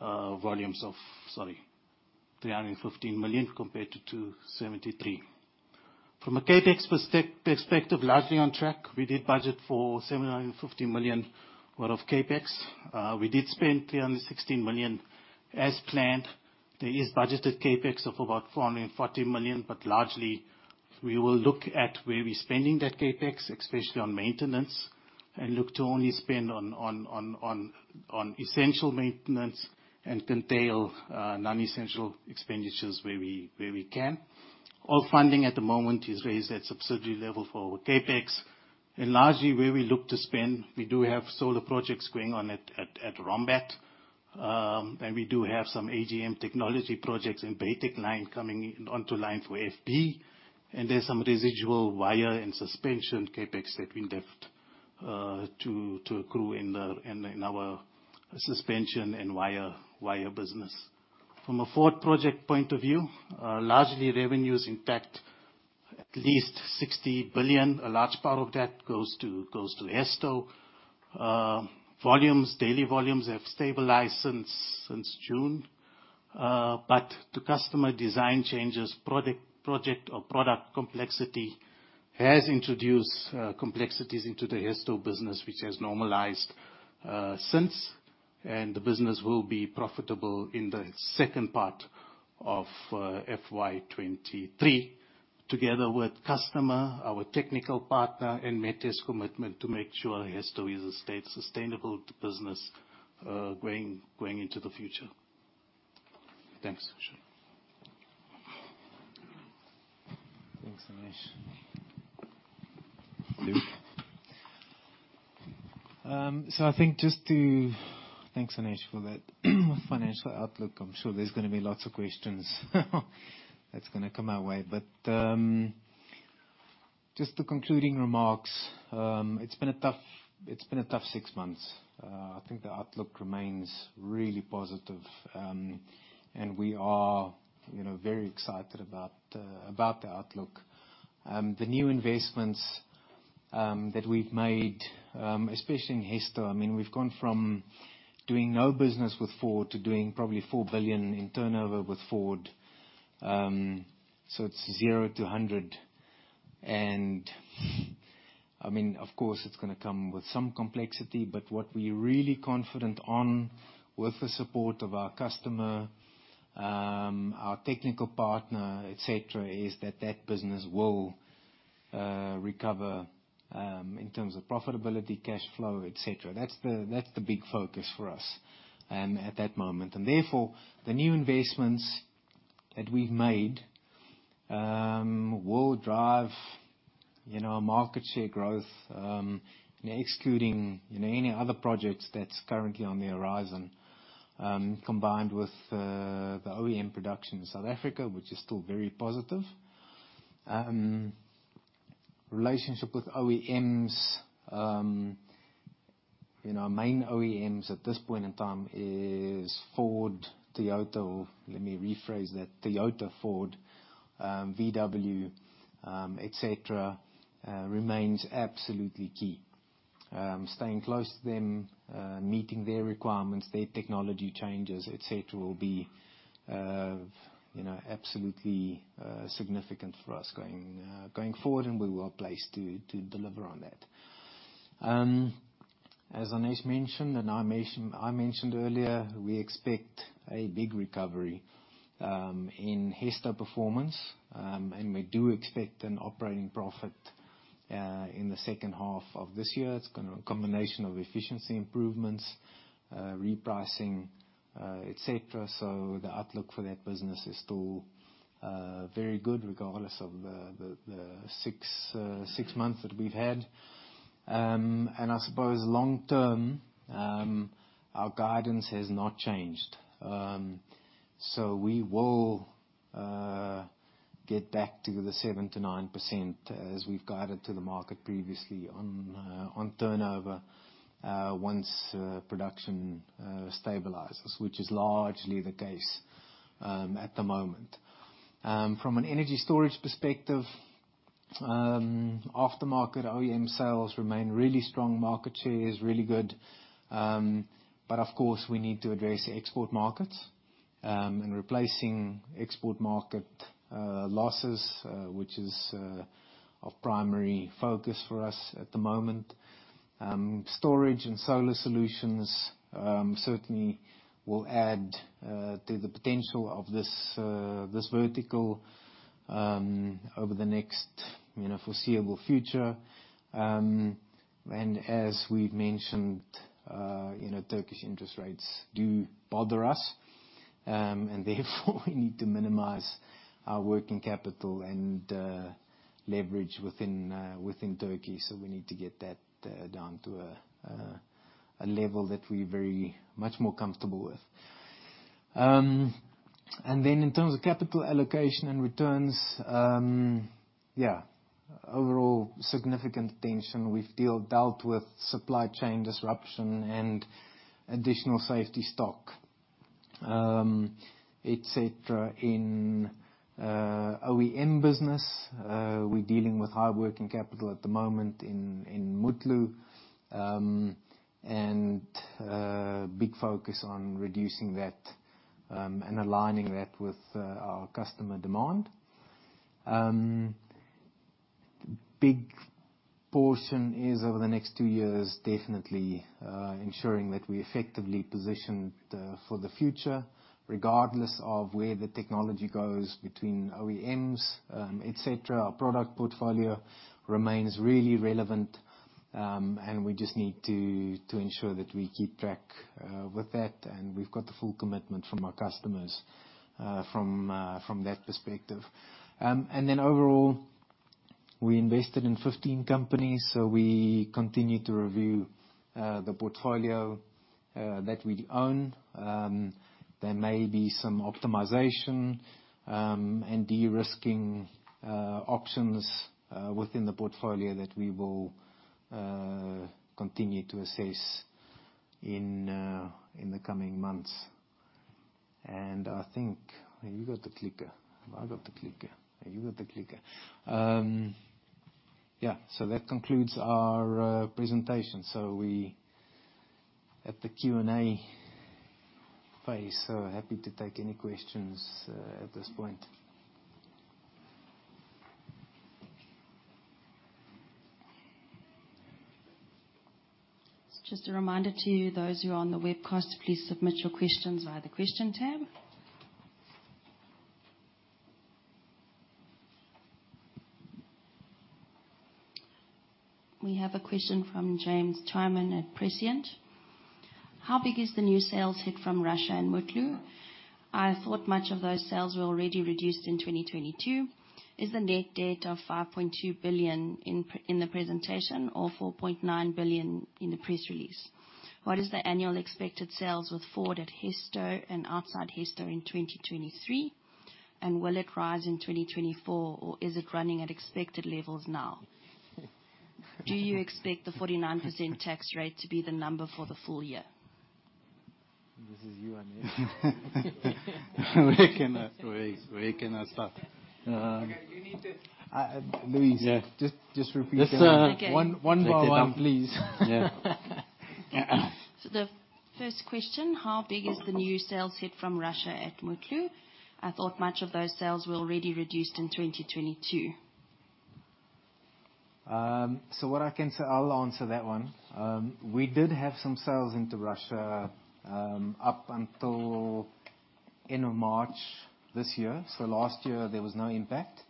Speaker 3: volumes of, sorry, 315 million compared to 273 million. From a CapEx perspective, largely on track. We did budget for 750 million worth of CapEx. We did spend 316 million as planned. There is budgeted CapEx of about 440 million, largely we will look at where we're spending that CapEx, especially on maintenance, and look to only spend on essential maintenance and curtail non-essential expenditures where we can. All funding at the moment is raised at subsidiary level for our CapEx. Largely where we look to spend, we do have solar projects going on at Rombat. We do have some AGM technology projects and Baytech line coming onto line for FB. There's some residual wire and suspension CapEx that we left to accrue in our suspension and wire business. From a Ford project point of view, largely revenues intact, at least 60 billion. A large part of that goes to Hesto. Volumes, daily volumes have stabilized since June. To customer design changes, project or product complexity has introduced complexities into the Hesto business, which has normalized since. The business will be profitable in the second part of FY 2023, together with customer, our technical partner, and Metair's commitment to make sure Hesto is a sustainable business going into the future. Thanks.
Speaker 1: Thanks, Anesh. Luke. I think just to Thanks, Anesh, for that financial outlook. I'm sure there's going to be lots of questions that's going to come our way. Just the concluding remarks. It's been a tough six months. I think the outlook remains really positive, and we are very excited about the outlook. The new investments that we've made, especially in Hesto. We've gone from doing no business with Ford to doing probably 4 billion in turnover with Ford. It's zero to 100, of course, it's going to come with some complexity, what we're really confident on, with the support of our customer, our technical partner, et cetera, is that that business will recover, in terms of profitability, cash flow, et cetera. That's the big focus for us at that moment. Therefore, the new investments that we've made will drive our market share growth, excluding any other projects that's currently on the horizon, combined with the OEM production in South Africa, which is still very positive. Relationship with OEMs. Our main OEMs at this point in time is Ford, Toyota, or let me rephrase that, Toyota, Ford, VW, et cetera, remains absolutely key. Staying close to them, meeting their requirements, their technology changes, et cetera, will be absolutely significant for us going forward, and we are placed to deliver on that. As Anesh mentioned and I mentioned earlier, we expect a big recovery in Hesto performance, and we do expect an operating profit in the second half of this year. It's a combination of efficiency improvements, repricing, et cetera. The outlook for that business is still very good, regardless of the six months that we've had. I suppose long term, our guidance has not changed. We will get back to the 7%-9%, as we've guided to the market previously on turnover once production stabilizes, which is largely the case at the moment. From an energy storage perspective, after-market OEM sales remain really strong. Market share is really good. But of course, we need to address the export markets, and replacing export market losses, which is of primary focus for us at the moment. Storage and solar solutions certainly will add to the potential of this vertical over the next foreseeable future. As we've mentioned, Turkish interest rates do bother us. Therefore, we need to minimize our working capital and leverage within Turkey. We need to get that down to a level that we're very much more comfortable with. Then in terms of capital allocation and returns, overall significant attention. We've dealt with supply chain disruption and additional safety stock, et cetera. In OEM business, we're dealing with high working capital at the moment in Mutlu. Big focus on reducing that and aligning that with our customer demand. Big portion is over the next two years, definitely ensuring that we effectively position for the future, regardless of where the technology goes between OEMs, et cetera. Our product portfolio remains really relevant, and we just need to ensure that we keep track with that, and we've got the full commitment from our customers from that perspective. Overall, we invested in 15 companies, so we continue to review the portfolio that we own. There may be some optimization and de-risking options within the portfolio that we will continue to assess in the coming months. Have you got the clicker? Have I got the clicker? Have you got the clicker? That concludes our presentation. We at the Q&A phase. Happy to take any questions at this point.
Speaker 4: Just a reminder to you, those who are on the webcast, please submit your questions via the Question tab. We have a question from James Twyman at Prescient. How big is the new sales hit from Russia and Mutlu? I thought much of those sales were already reduced in 2022. Is the net debt of 5.2 billion in the presentation, or 4.9 billion in the press release? What is the annual expected sales with Ford at Hesto and outside Hesto in 2023? Will it rise in 2024, or is it running at expected levels now? Do you expect the 49% tax rate to be the number for the full year?
Speaker 3: This is you, Anesh.
Speaker 1: Where can I start?
Speaker 4: Okay, you need to.
Speaker 1: Louise.
Speaker 3: Yeah. Just repeat them. Just one by one, please.
Speaker 4: The first question, how big is the new sales hit from Russia at Mutlu? I thought much of those sales were already reduced in 2022.
Speaker 1: What I can say, I'll answer that one. We did have some sales into Russia, up until end of March this year. Last year there was no impact,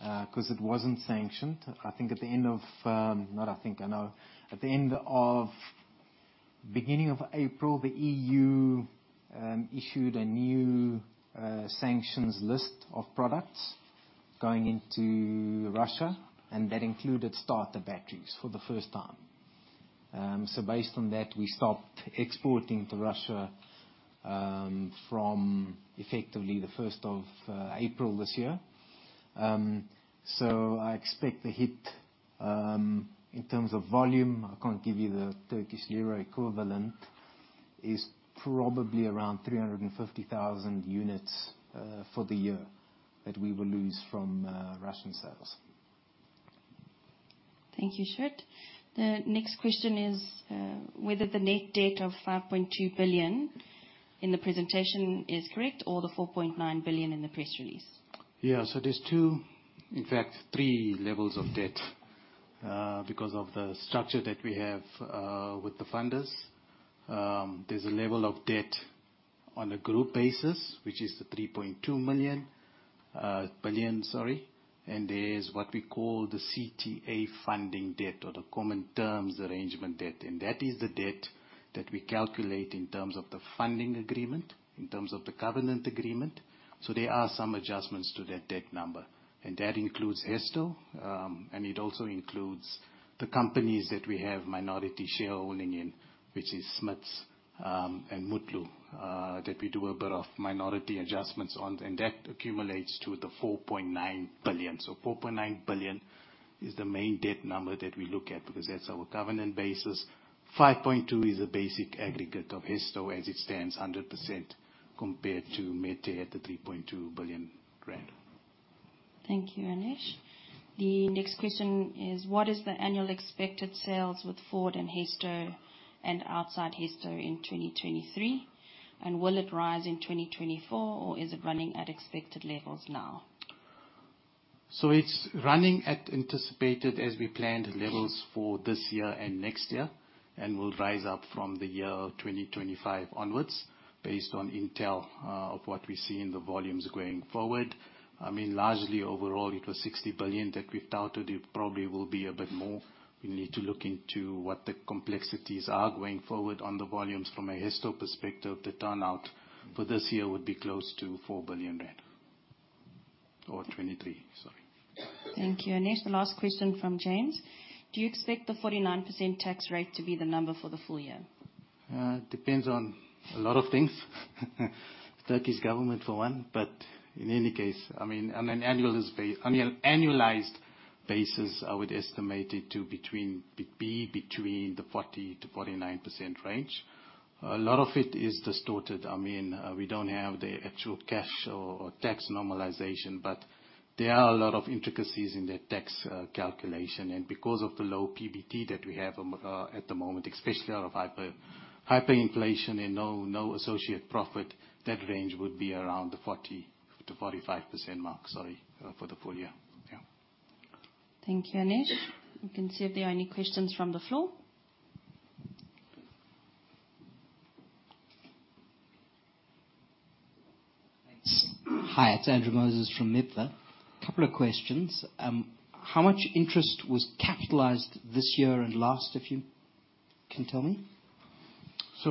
Speaker 1: because it wasn't sanctioned. I think at the end of, not I think I know, at the end of beginning of April, the EU issued a new sanctions list of products going into Russia, and that included starter batteries for the first time. Based on that, we stopped exporting to Russia, from effectively the 1st of April this year. I expect the hit, in terms of volume, I can't give you the Turkish lira equivalent, is probably around 350,000 units for the year that we will lose from Russian sales.
Speaker 4: Thank you, Sjoerd. The next question is, whether the net debt of 5.2 billion in the presentation is correct or the 4.9 billion in the press release.
Speaker 3: Yeah, there's two, in fact, three levels of debt, because of the structure that we have with the funders. There's a level of debt on a group basis, which is the 3.2 billion, sorry. There's what we call the CTA funding debt or the common terms arrangement debt. That is the debt that we calculate in terms of the funding agreement, in terms of the covenant agreement. There are some adjustments to that debt number. That includes Hesto, and it also includes the companies that we have minority shareholding in, which is Smiths, and Mutlu, that we do a bit of minority adjustments on. That accumulates to the 4.9 billion. 4.9 billion is the main debt number that we look at because that's our covenant basis. 5.2 is a basic aggregate of Hesto as it stands 100% compared to Metair at the 3.2 billion rand.
Speaker 4: Thank you, Anesh. The next question is, what is the annual expected sales with Ford and Hesto and outside Hesto in 2023? Will it rise in 2024 or is it running at expected levels now?
Speaker 3: It's running at anticipated as we planned levels for this year and next year, and will rise up from the year 2025 onwards based on intel, of what we see in the volumes going forward. Largely overall it was 60 billion that we've touted. It probably will be a bit more. We need to look into what the complexities are going forward on the volumes from a Hesto perspective. The turnout for this year would be close to 4 billion rand or 2023, sorry.
Speaker 4: Thank you. Anesh, the last question from James. Do you expect the 49% tax rate to be the number for the full year?
Speaker 3: Depends on a lot of things. Turkish government for one. In any case, on an annualized basis, I would estimate it to be between the 40%-49% range. A lot of it is distorted. We don't have the actual cash or tax normalization, but there are a lot of intricacies in the tax calculation. Because of the low PBT that we have at the moment, especially out of hyperinflation and no associate profit, that range would be around the 40%-45% mark, sorry, for the full year.
Speaker 4: Thank you, Anesh. We can see if there are any questions from the floor.
Speaker 5: Thanks. Hi, it's Andrew Moses from Mitha. Couple of questions. How much interest was capitalized this year and last, if you can tell me?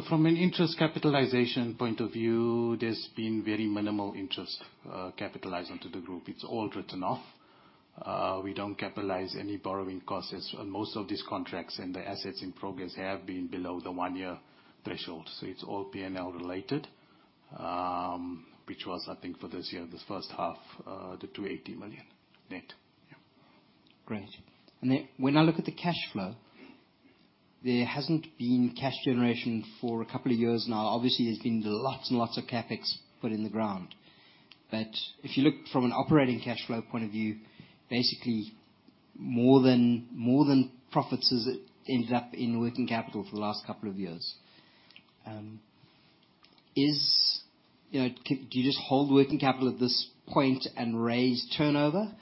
Speaker 3: From an interest capitalization point of view, there's been very minimal interest, capitalized into the group. It's all written off. We don't capitalize any borrowing costs as most of these contracts and the assets in progress have been below the one year threshold. It's all P&L related, which was, I think for this year, this first half, the 280 million net.
Speaker 5: Great. When I look at the cash flow, there hasn't been cash generation for a couple of years now. Obviously, there's been lots and lots of CapEx put in the ground. If you look from an operating cash flow point of view, basically more than profits has ended up in working capital for the last couple of years. Do you just hold working capital at this point and raise turnover,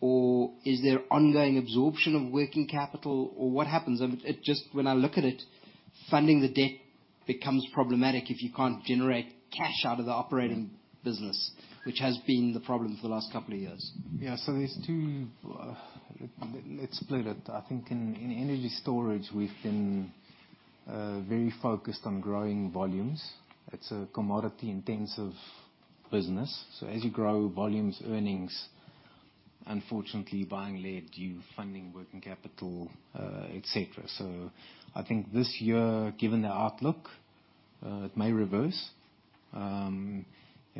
Speaker 5: or is there ongoing absorption of working capital, or what happens? When I look at it, funding the debt Becomes problematic if you can't generate cash out of the operating business, which has been the problem for the last couple of years.
Speaker 1: Yeah. There's two. Let's split it. I think in energy storage, we've been very focused on growing volumes. It's a commodity-intensive business. As you grow volumes, earnings, unfortunately buying lead, you funding working capital, et cetera. I think this year, given the outlook, it may reverse.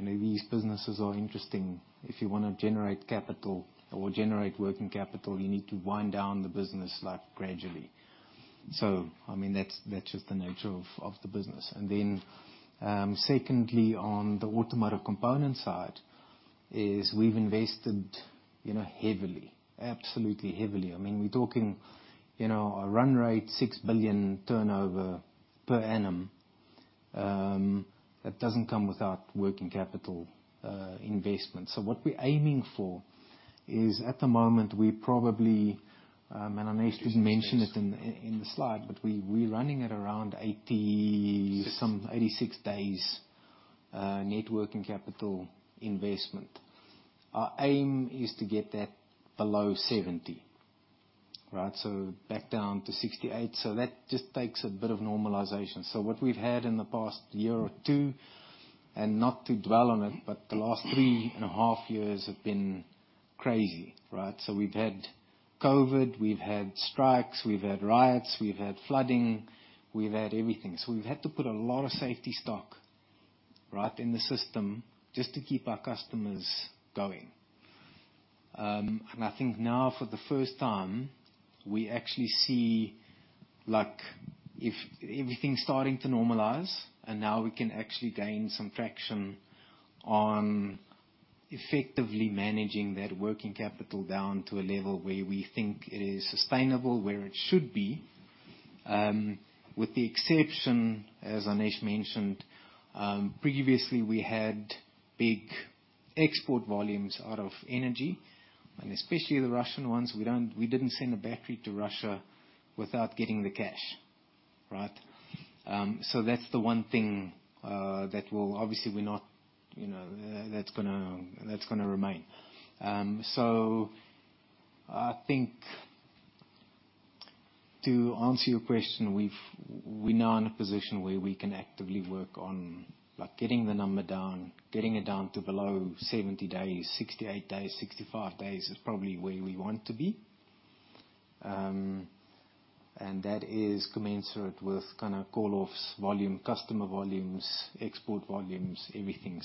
Speaker 1: These businesses are interesting. If you wanna generate capital or generate working capital, you need to wind down the business gradually. That's just the nature of the business. Then, secondly, on the automotive component side, we've invested heavily. Absolutely heavily. We're talking a run rate, 6 billion turnover per annum. That doesn't come without working capital investment. What we're aiming for is, at the moment, we probably, and Anesh didn't mention it in the slide, but we're running at around 80 some, 86 days net working capital investment. Our aim is to get that below 70, right? Back down to 68. That just takes a bit of normalization. What we've had in the past year or two, and not to dwell on it, but the last three and a half years have been crazy, right? We've had COVID, we've had strikes, we've had riots, we've had flooding, we've had everything. We've had to put a lot of safety stock, right, in the system just to keep our customers going. I think now for the first time, we actually see if everything's starting to normalize, and now we can actually gain some traction on effectively managing that working capital down to a level where we think it is sustainable, where it should be. With the exception, as Anesh mentioned, previously, we had big export volumes out of energy, and especially the Russian ones. We didn't send a battery to Russia without getting the cash, right? That's the one thing that will. Obviously, that's gonna remain. I think to answer your question, we're now in a position where we can actively work on getting the number down, getting it down to below 70 days, 68 days, 65 days is probably where we want to be. That is commensurate with kind of call-offs volume, customer volumes, export volumes, everything.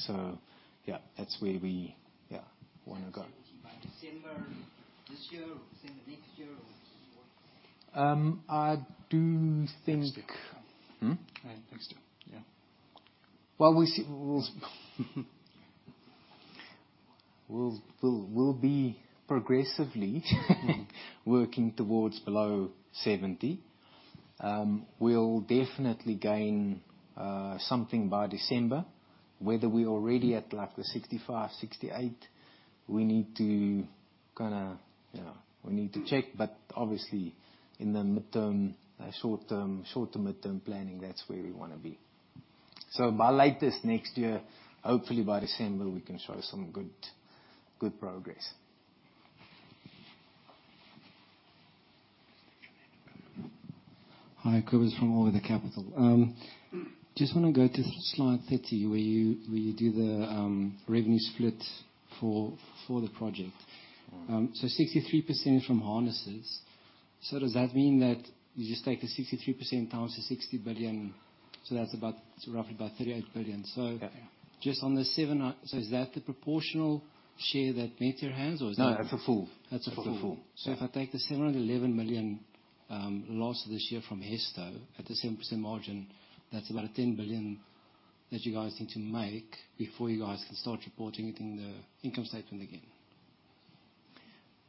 Speaker 1: Yeah, that's where we, yeah, wanna go.
Speaker 5: By December this year or December next year, or what?
Speaker 1: I do think
Speaker 5: Next year. Next year. Yeah.
Speaker 1: Well, we'll be progressively working towards below 70. We'll definitely gain something by December. Whether we already at the 65, 68, we need to check, but obviously in the mid-term, short to mid-term planning, that's where we wanna be. By latest next year, hopefully by December, we can show some good progress.
Speaker 6: Hi. Cobus from All Weather Capital. I just want to go to slide 30, where you do the revenue split for the project. 63% from harnesses. Does that mean that you just take the 63% times the 60 billion, that is roughly about 38 billion.
Speaker 1: Yeah.
Speaker 6: Is that the proportional share that Metair has?
Speaker 1: No, that is a full.
Speaker 6: That's a full.
Speaker 1: That's a full. Yeah.
Speaker 6: If I take the 711 million loss this year from Hesto at the 7% margin, that's about a 10 billion that you guys need to make before you guys can start reporting it in the income statement again.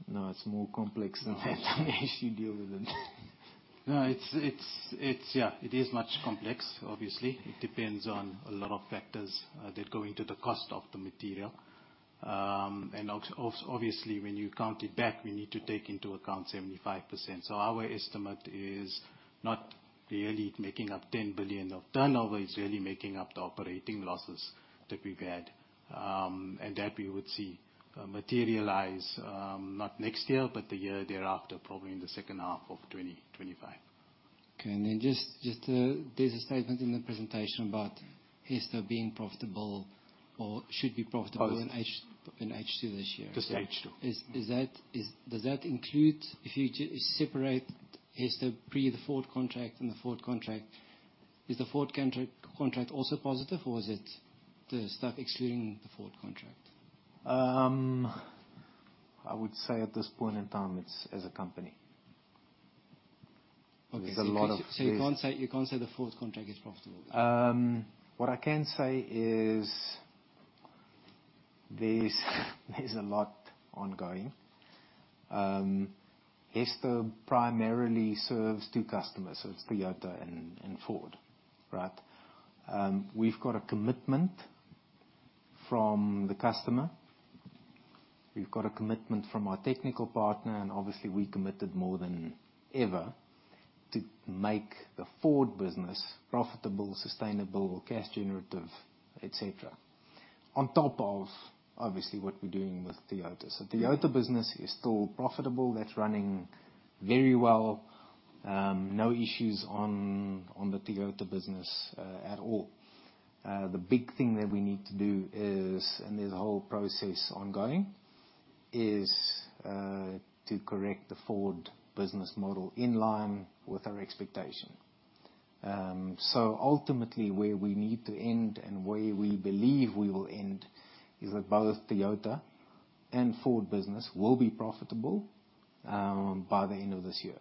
Speaker 1: No, it's more complex than that Anesh, you deal with it.
Speaker 3: No, it is much complex, obviously. It depends on a lot of factors that go into the cost of the material. Obviously, when you count it back, we need to take into account 75%. Our estimate is not really making up 10 billion of turnover. It's really making up the operating losses that we've had, and that we would see materialize, not next year, but the year thereafter, probably in the second half of 2025.
Speaker 6: Okay. There's a statement in the presentation about Hesto being profitable or should be profitable.
Speaker 1: Both
Speaker 6: in H2 this year. Just H2. Does that include if you separate Hesto pre the Ford contract and the Ford contract, is the Ford contract also positive, or is it the stuff excluding the Ford contract?
Speaker 1: I would say at this point in time, it's as a company.
Speaker 6: Okay. There's- You can't say the Ford contract is profitable?
Speaker 1: What I can say is, there's a lot ongoing. Hesto primarily serves two customers. It's Toyota and Ford, right? We've got a commitment from our technical partner, and obviously, we committed more than ever to make the Ford business profitable, sustainable, cash generative, et cetera, on top of obviously what we're doing with Toyota. Toyota business is still profitable, that's running very well. No issues on the Toyota business at all. The big thing that we need to do is, and there's a whole process ongoing, is to correct the Ford business model in line with our expectation. Ultimately, where we need to end and where we believe we will end is that both Toyota and Ford business will be profitable by the end of this year.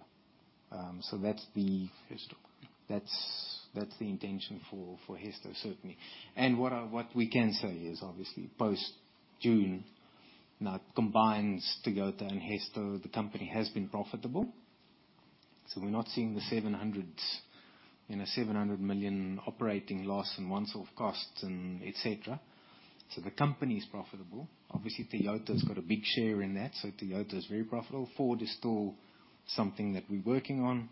Speaker 1: That's the intention.
Speaker 6: Hesto
Speaker 1: that's the intention for Hesto, certainly. What we can say is obviously post-June, now it combines Toyota and Hesto, the company has been profitable. We're not seeing the 700 million operating loss and once-off costs, and et cetera. The company is profitable. Obviously, Toyota's got a big share in that, so Toyota is very profitable. Ford is still something that we're working on,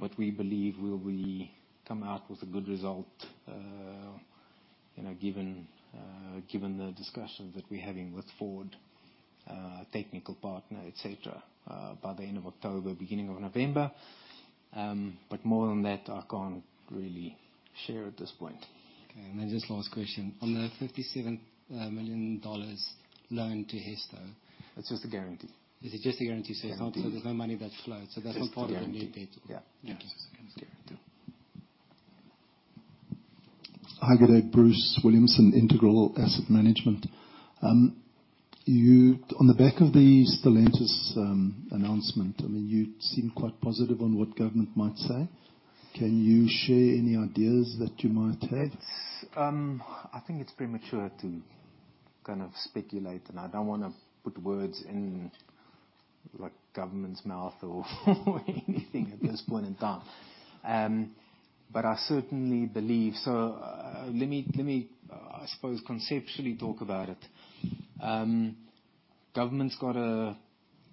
Speaker 1: but we believe we will come out with a good result, given the discussions that we're having with Ford, technical partner, et cetera, by the end of October, beginning of November. More on that, I can't really share at this point.
Speaker 6: Okay, just last question. On the $57 million loan to Hesto?
Speaker 1: That's just a guarantee.
Speaker 6: Is it just a guarantee?
Speaker 1: There's no money that's flowed. That's not part of the new debt.
Speaker 6: Yeah.
Speaker 1: Yeah, just a guarantee.
Speaker 7: Hi, good day. Bruce Williamson, Integral Asset Management. On the back of the Stellantis announcement, you seem quite positive on what government might say. Can you share any ideas that you might have?
Speaker 1: I think it's premature to speculate, I don't want to put words in government's mouth or anything at this point in time. I certainly believe. Let me, I suppose, conceptually talk about it. Government's got a,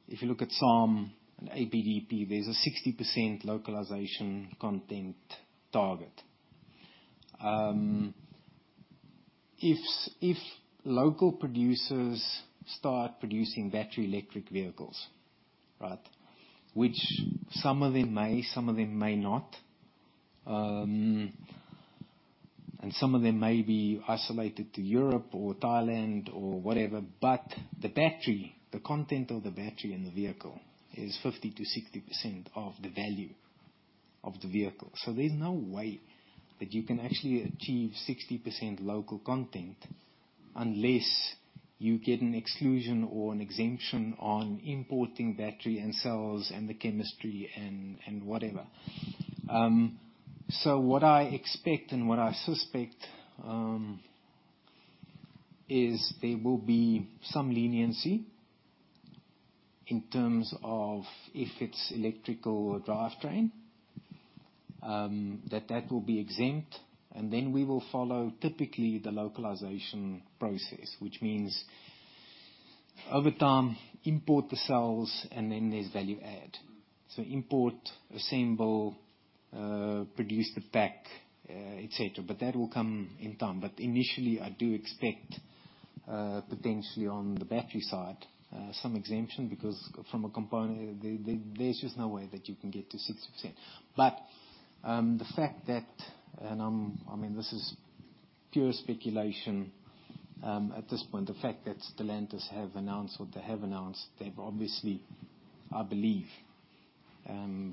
Speaker 1: if you look at SAAM and APDP, there's a 60% localization content target. If local producers start producing battery electric vehicles, right, which some of them may, some of them may not. Some of them may be isolated to Europe or Thailand or whatever, but the battery, the content of the battery in the vehicle is 50% to 60% of the value of the vehicle. There's no way that you can actually achieve 60% local content unless you get an exclusion or an exemption on importing battery and cells and the chemistry and whatever. What I expect and what I suspect, is there will be some leniency in terms of, if it's electrical drivetrain, that that will be exempt, and then we will follow typically the localization process. Over time, import the cells and then there's value add. Import, assemble, produce the pack, et cetera. That will come in time. Initially, I do expect potentially on the battery side, some exemption because from a component, there's just no way that you can get to 60%. The fact that, and this is pure speculation at this point, the fact that Stellantis have announced what they have announced, they've obviously, I believe,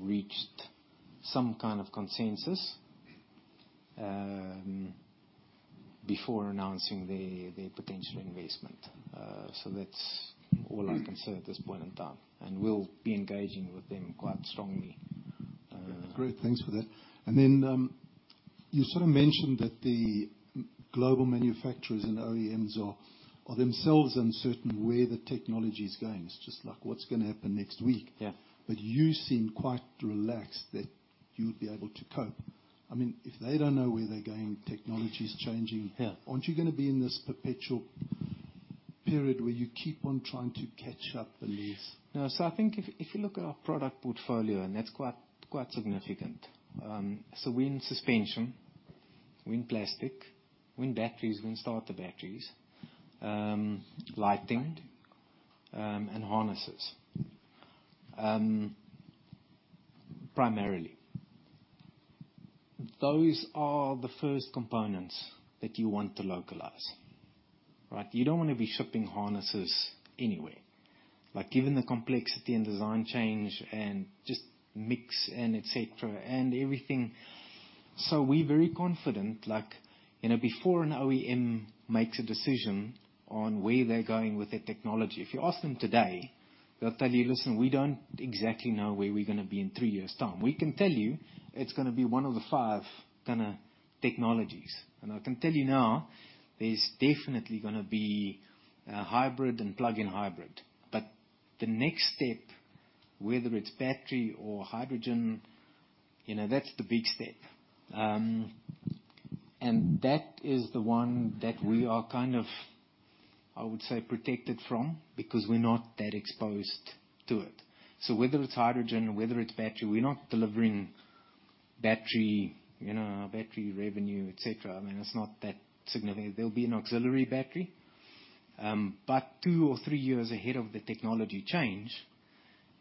Speaker 1: reached some kind of consensus before announcing their potential investment. That's all I can say at this point in time. We'll be engaging with them quite strongly.
Speaker 7: Great. Thanks for that. You sort of mentioned that the global manufacturers and OEMs are themselves uncertain where the technology's going. It's just like, what's going to happen next week?
Speaker 1: Yeah.
Speaker 7: You seem quite relaxed that you'll be able to cope. If they don't know where they're going, technology's changing.
Speaker 1: Yeah
Speaker 7: Aren't you going to be in this perpetual period where you keep on trying to catch up the leaves?
Speaker 1: No. I think if you look at our product portfolio, that's quite significant. We're in suspension, we're in plastic, we're in batteries, we install the batteries, lighting, and harnesses, primarily. Those are the first components that you want to localize. You don't want to be shipping harnesses anywhere, given the complexity and design change and just mix and et cetera, and everything. We're very confident before an OEM makes a decision on where they're going with their technology. If you ask them today, they'll tell you, "Listen, we don't exactly know where we're going to be in three years' time. We can tell you it's going to be one of the five kind of technologies." I can tell you now, there's definitely going to be a hybrid and plug-in hybrid. The next step, whether it's battery or hydrogen, that's the big step.
Speaker 7: Okay
Speaker 1: That is the one that we are, I would say, protected from because we're not that exposed to it. Whether it's hydrogen or whether it's battery, we're not delivering battery revenue, et cetera. It's not that significant. There'll be an auxiliary battery. Two or three years ahead of the technology change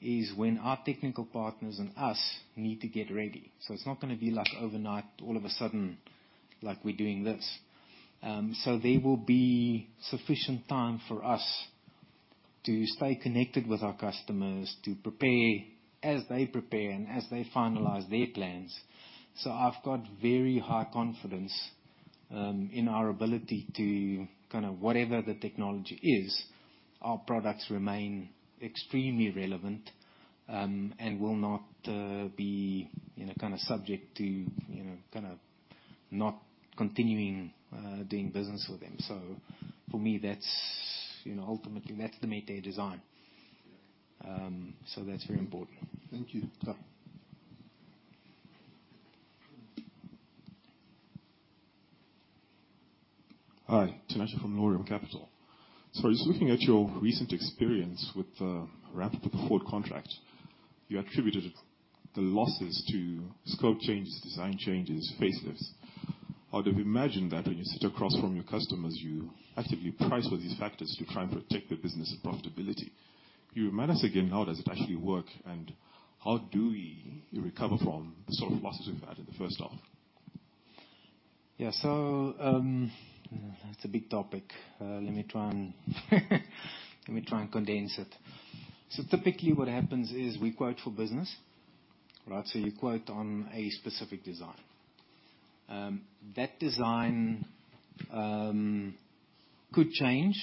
Speaker 1: is when our technical partners and us need to get ready. It's not going to be overnight, all of a sudden, like we're doing this. There will be sufficient time for us to stay connected with our customers, to prepare as they prepare and as they finalize their plans. I've got very high confidence in our ability to, whatever the technology is, our products remain extremely relevant, and will not be subject to not continuing doing business with them. For me, ultimately, that's the Metair design. That's very important.
Speaker 8: Thank you.
Speaker 1: Yeah.
Speaker 2: Hi. Tinashe from Laurium Capital. I was looking at your recent experience with the ramped Ford contract. You attributed the losses to scope changes, design changes, facelifts. I would have imagined that when you sit across from your customers, you actively price for these factors to try and protect the business profitability. Can you remind us again how does it actually work, and how do we recover from the sort of losses we've had in the first half?
Speaker 1: Yeah. It's a big topic. Let me try and condense it. Typically what happens is we quote for business, right? You quote on a specific design. That design could change,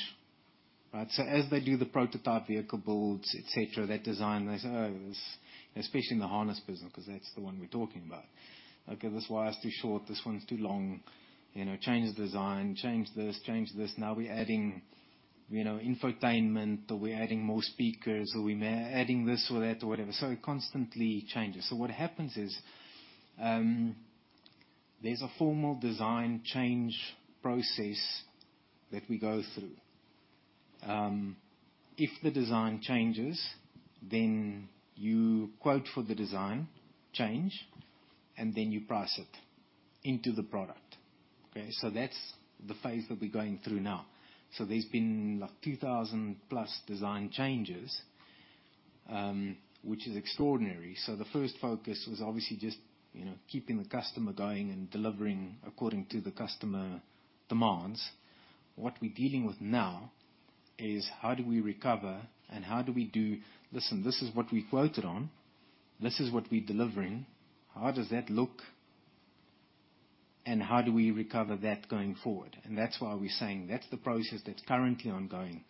Speaker 1: right? As they do the prototype vehicle builds, et cetera, that design, they say, "Oh, this" Especially in the harness business, because that's the one we're talking about. "Okay, this wire is too short, this one's too long. Change the design, change this, change this. Now we're adding infotainment, or we're adding more speakers, or we may be adding this or that, or whatever." It constantly changes. What happens is, there's a formal design change process that we go through. If the design changes, then you quote for the design change, and then you price it into the product. Okay? That's the phase that we're going through now. There's been 2,000-plus design changes, which is extraordinary. The first focus was obviously just keeping the customer going and delivering according to the customer demands. What we're dealing with now is how do we recover and how do we do, "Listen, this is what we quoted on, this is what we're delivering. How does that look, and how do we recover that going forward?" That's why we're saying that's the process that's currently ongoing.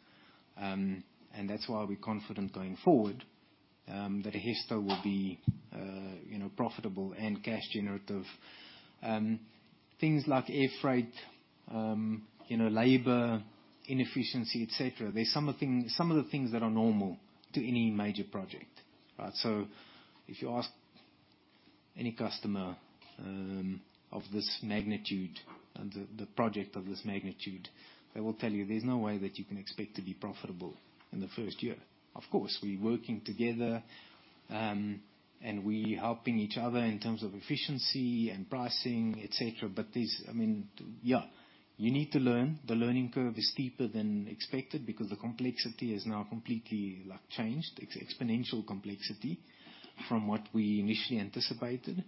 Speaker 1: That's why we're confident going forward, that Hesto will be profitable and cash generative. Things like air freight, labor inefficiency, et cetera. They're some of the things that are normal to any major project, right? If you ask any customer of this magnitude and the project of this magnitude, they will tell you there's no way that you can expect to be profitable in the first year. Of course, we're working together, and we helping each other in terms of efficiency and pricing, et cetera, but you need to learn. The learning curve is steeper than expected because the complexity is now completely changed. It's exponential complexity from what we initially anticipated.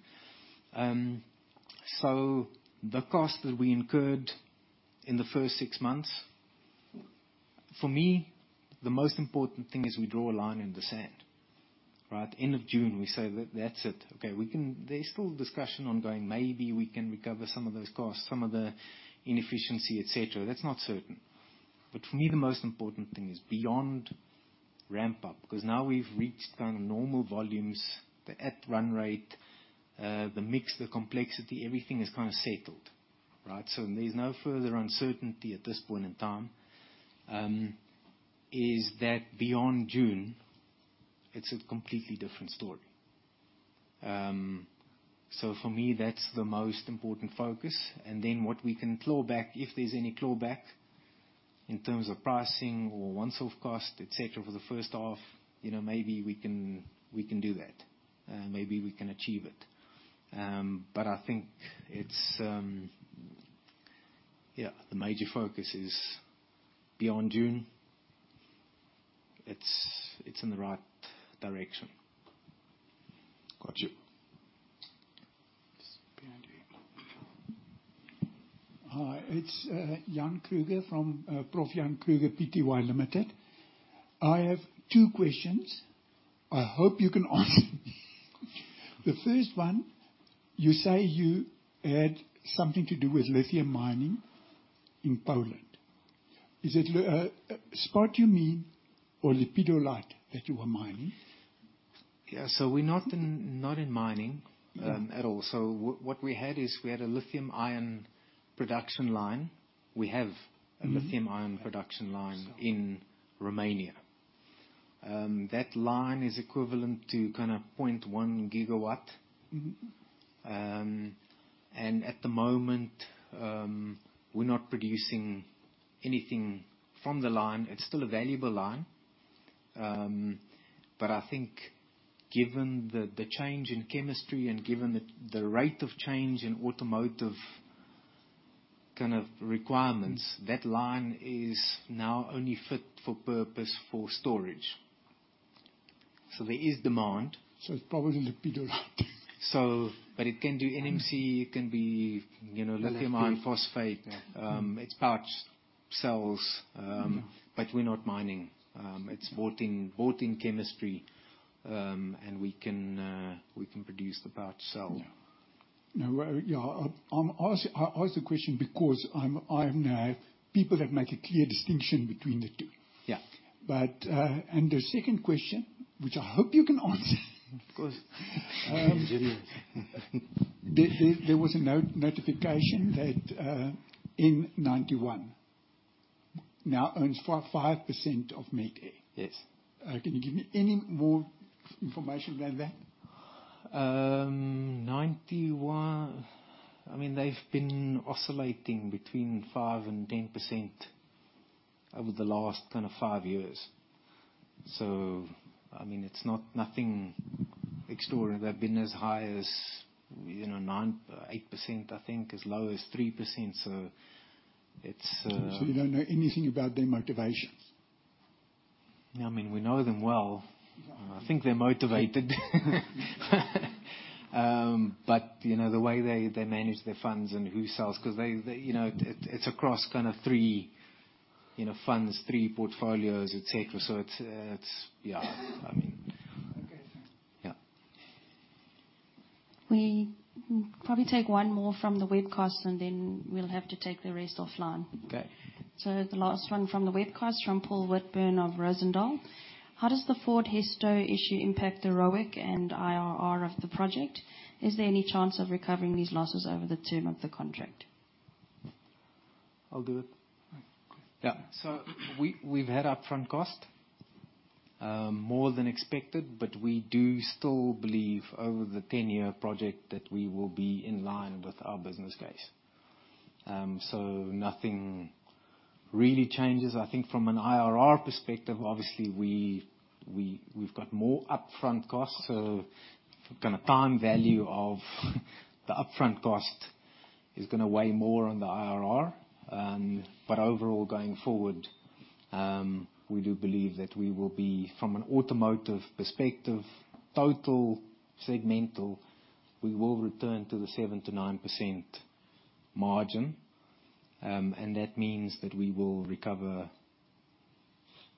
Speaker 1: The cost that we incurred in the first six months, for me, the most important thing is we draw a line in the sand, right? End of June, we say that, "That's it." Okay. There's still discussion ongoing. Maybe we can recover some of those costs, some of the inefficiency, et cetera. That's not certain. For me, the most important thing is beyond ramp-up, because now we've reached kind of normal volumes, the at run rate, the mix, the complexity, everything is kind of settled, right? There's no further uncertainty at this point in time. Is that beyond June, it's a completely different story. For me, that's the most important focus. Then what we can claw back, if there's any clawback in terms of pricing or once-off cost, et cetera, for the first half, maybe we can do that. Maybe we can achieve it. I think the major focus is beyond June. It's in the right direction.
Speaker 2: Got you.
Speaker 1: Just behind you.
Speaker 9: Hi. It's Jan Kruger from Prof Jan Kruger Pty Ltd. I have two questions I hope you can answer. The first one, you say you had something to do with lithium mining in Poland. Is it spodumene or lepidolite that you are mining?
Speaker 1: Yeah. We're not in mining at all. What we had is we had a lithium-ion production line. We have a lithium-ion production line in Romania. That line is equivalent to 0.1 gigawatt. At the moment, we're not producing anything from the line. It's still a valuable line. I think given the change in chemistry and given the rate of change in automotive requirements, that line is now only fit for purpose for storage. There is demand.
Speaker 9: It's probably lithium
Speaker 1: It can do NMC, it can be-
Speaker 9: Lithium
Speaker 1: lithium iron phosphate.
Speaker 9: Yeah.
Speaker 1: It's pouch cells. We're not mining. It's bought in chemistry. We can produce the pouch cell.
Speaker 9: Yeah. Now, I ask the question because I have people that make a clear distinction between the two.
Speaker 1: Yeah.
Speaker 9: The second question, which I hope you can answer.
Speaker 1: Of course.
Speaker 9: There was a notification that Ninety One now owns 5% of Metair.
Speaker 1: Yes.
Speaker 9: Can you give me any more information than that?
Speaker 1: Ninety One, they've been oscillating between 5% and 10% over the last five years. It's nothing extraordinary. They've been as high as 9%, 8%, I think as low as 3%.
Speaker 9: You don't know anything about their motivations?
Speaker 1: We know them well. I think they're motivated. The way they manage their funds and who sells, because it's across three funds, three portfolios, et cetera. It's, yeah.
Speaker 9: Okay.
Speaker 1: Yeah.
Speaker 4: We probably take one more from the webcast and then we'll have to take the rest offline.
Speaker 1: Okay.
Speaker 4: The last one from the webcast from Paul Whitburn of Rozendal. How does the Ford Hesto issue impact the ROIC and IRR of the project? Is there any chance of recovering these losses over the term of the contract?
Speaker 1: I'll do it. Yeah. We've had upfront cost, more than expected, but we do still believe over the 10-year project that we will be in line with our business case. Nothing really changes. I think from an IRR perspective, obviously we've got more upfront costs, time value of the upfront cost is going to weigh more on the IRR. Overall, going forward, we do believe that we will be, from an automotive perspective, total segmental, we will return to the 7%-9% margin. That means that we will recover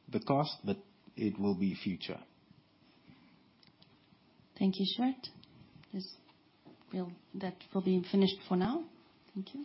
Speaker 1: the cost, but it will be future.
Speaker 4: Thank you, Sjoerd. That will be finished for now. Thank you.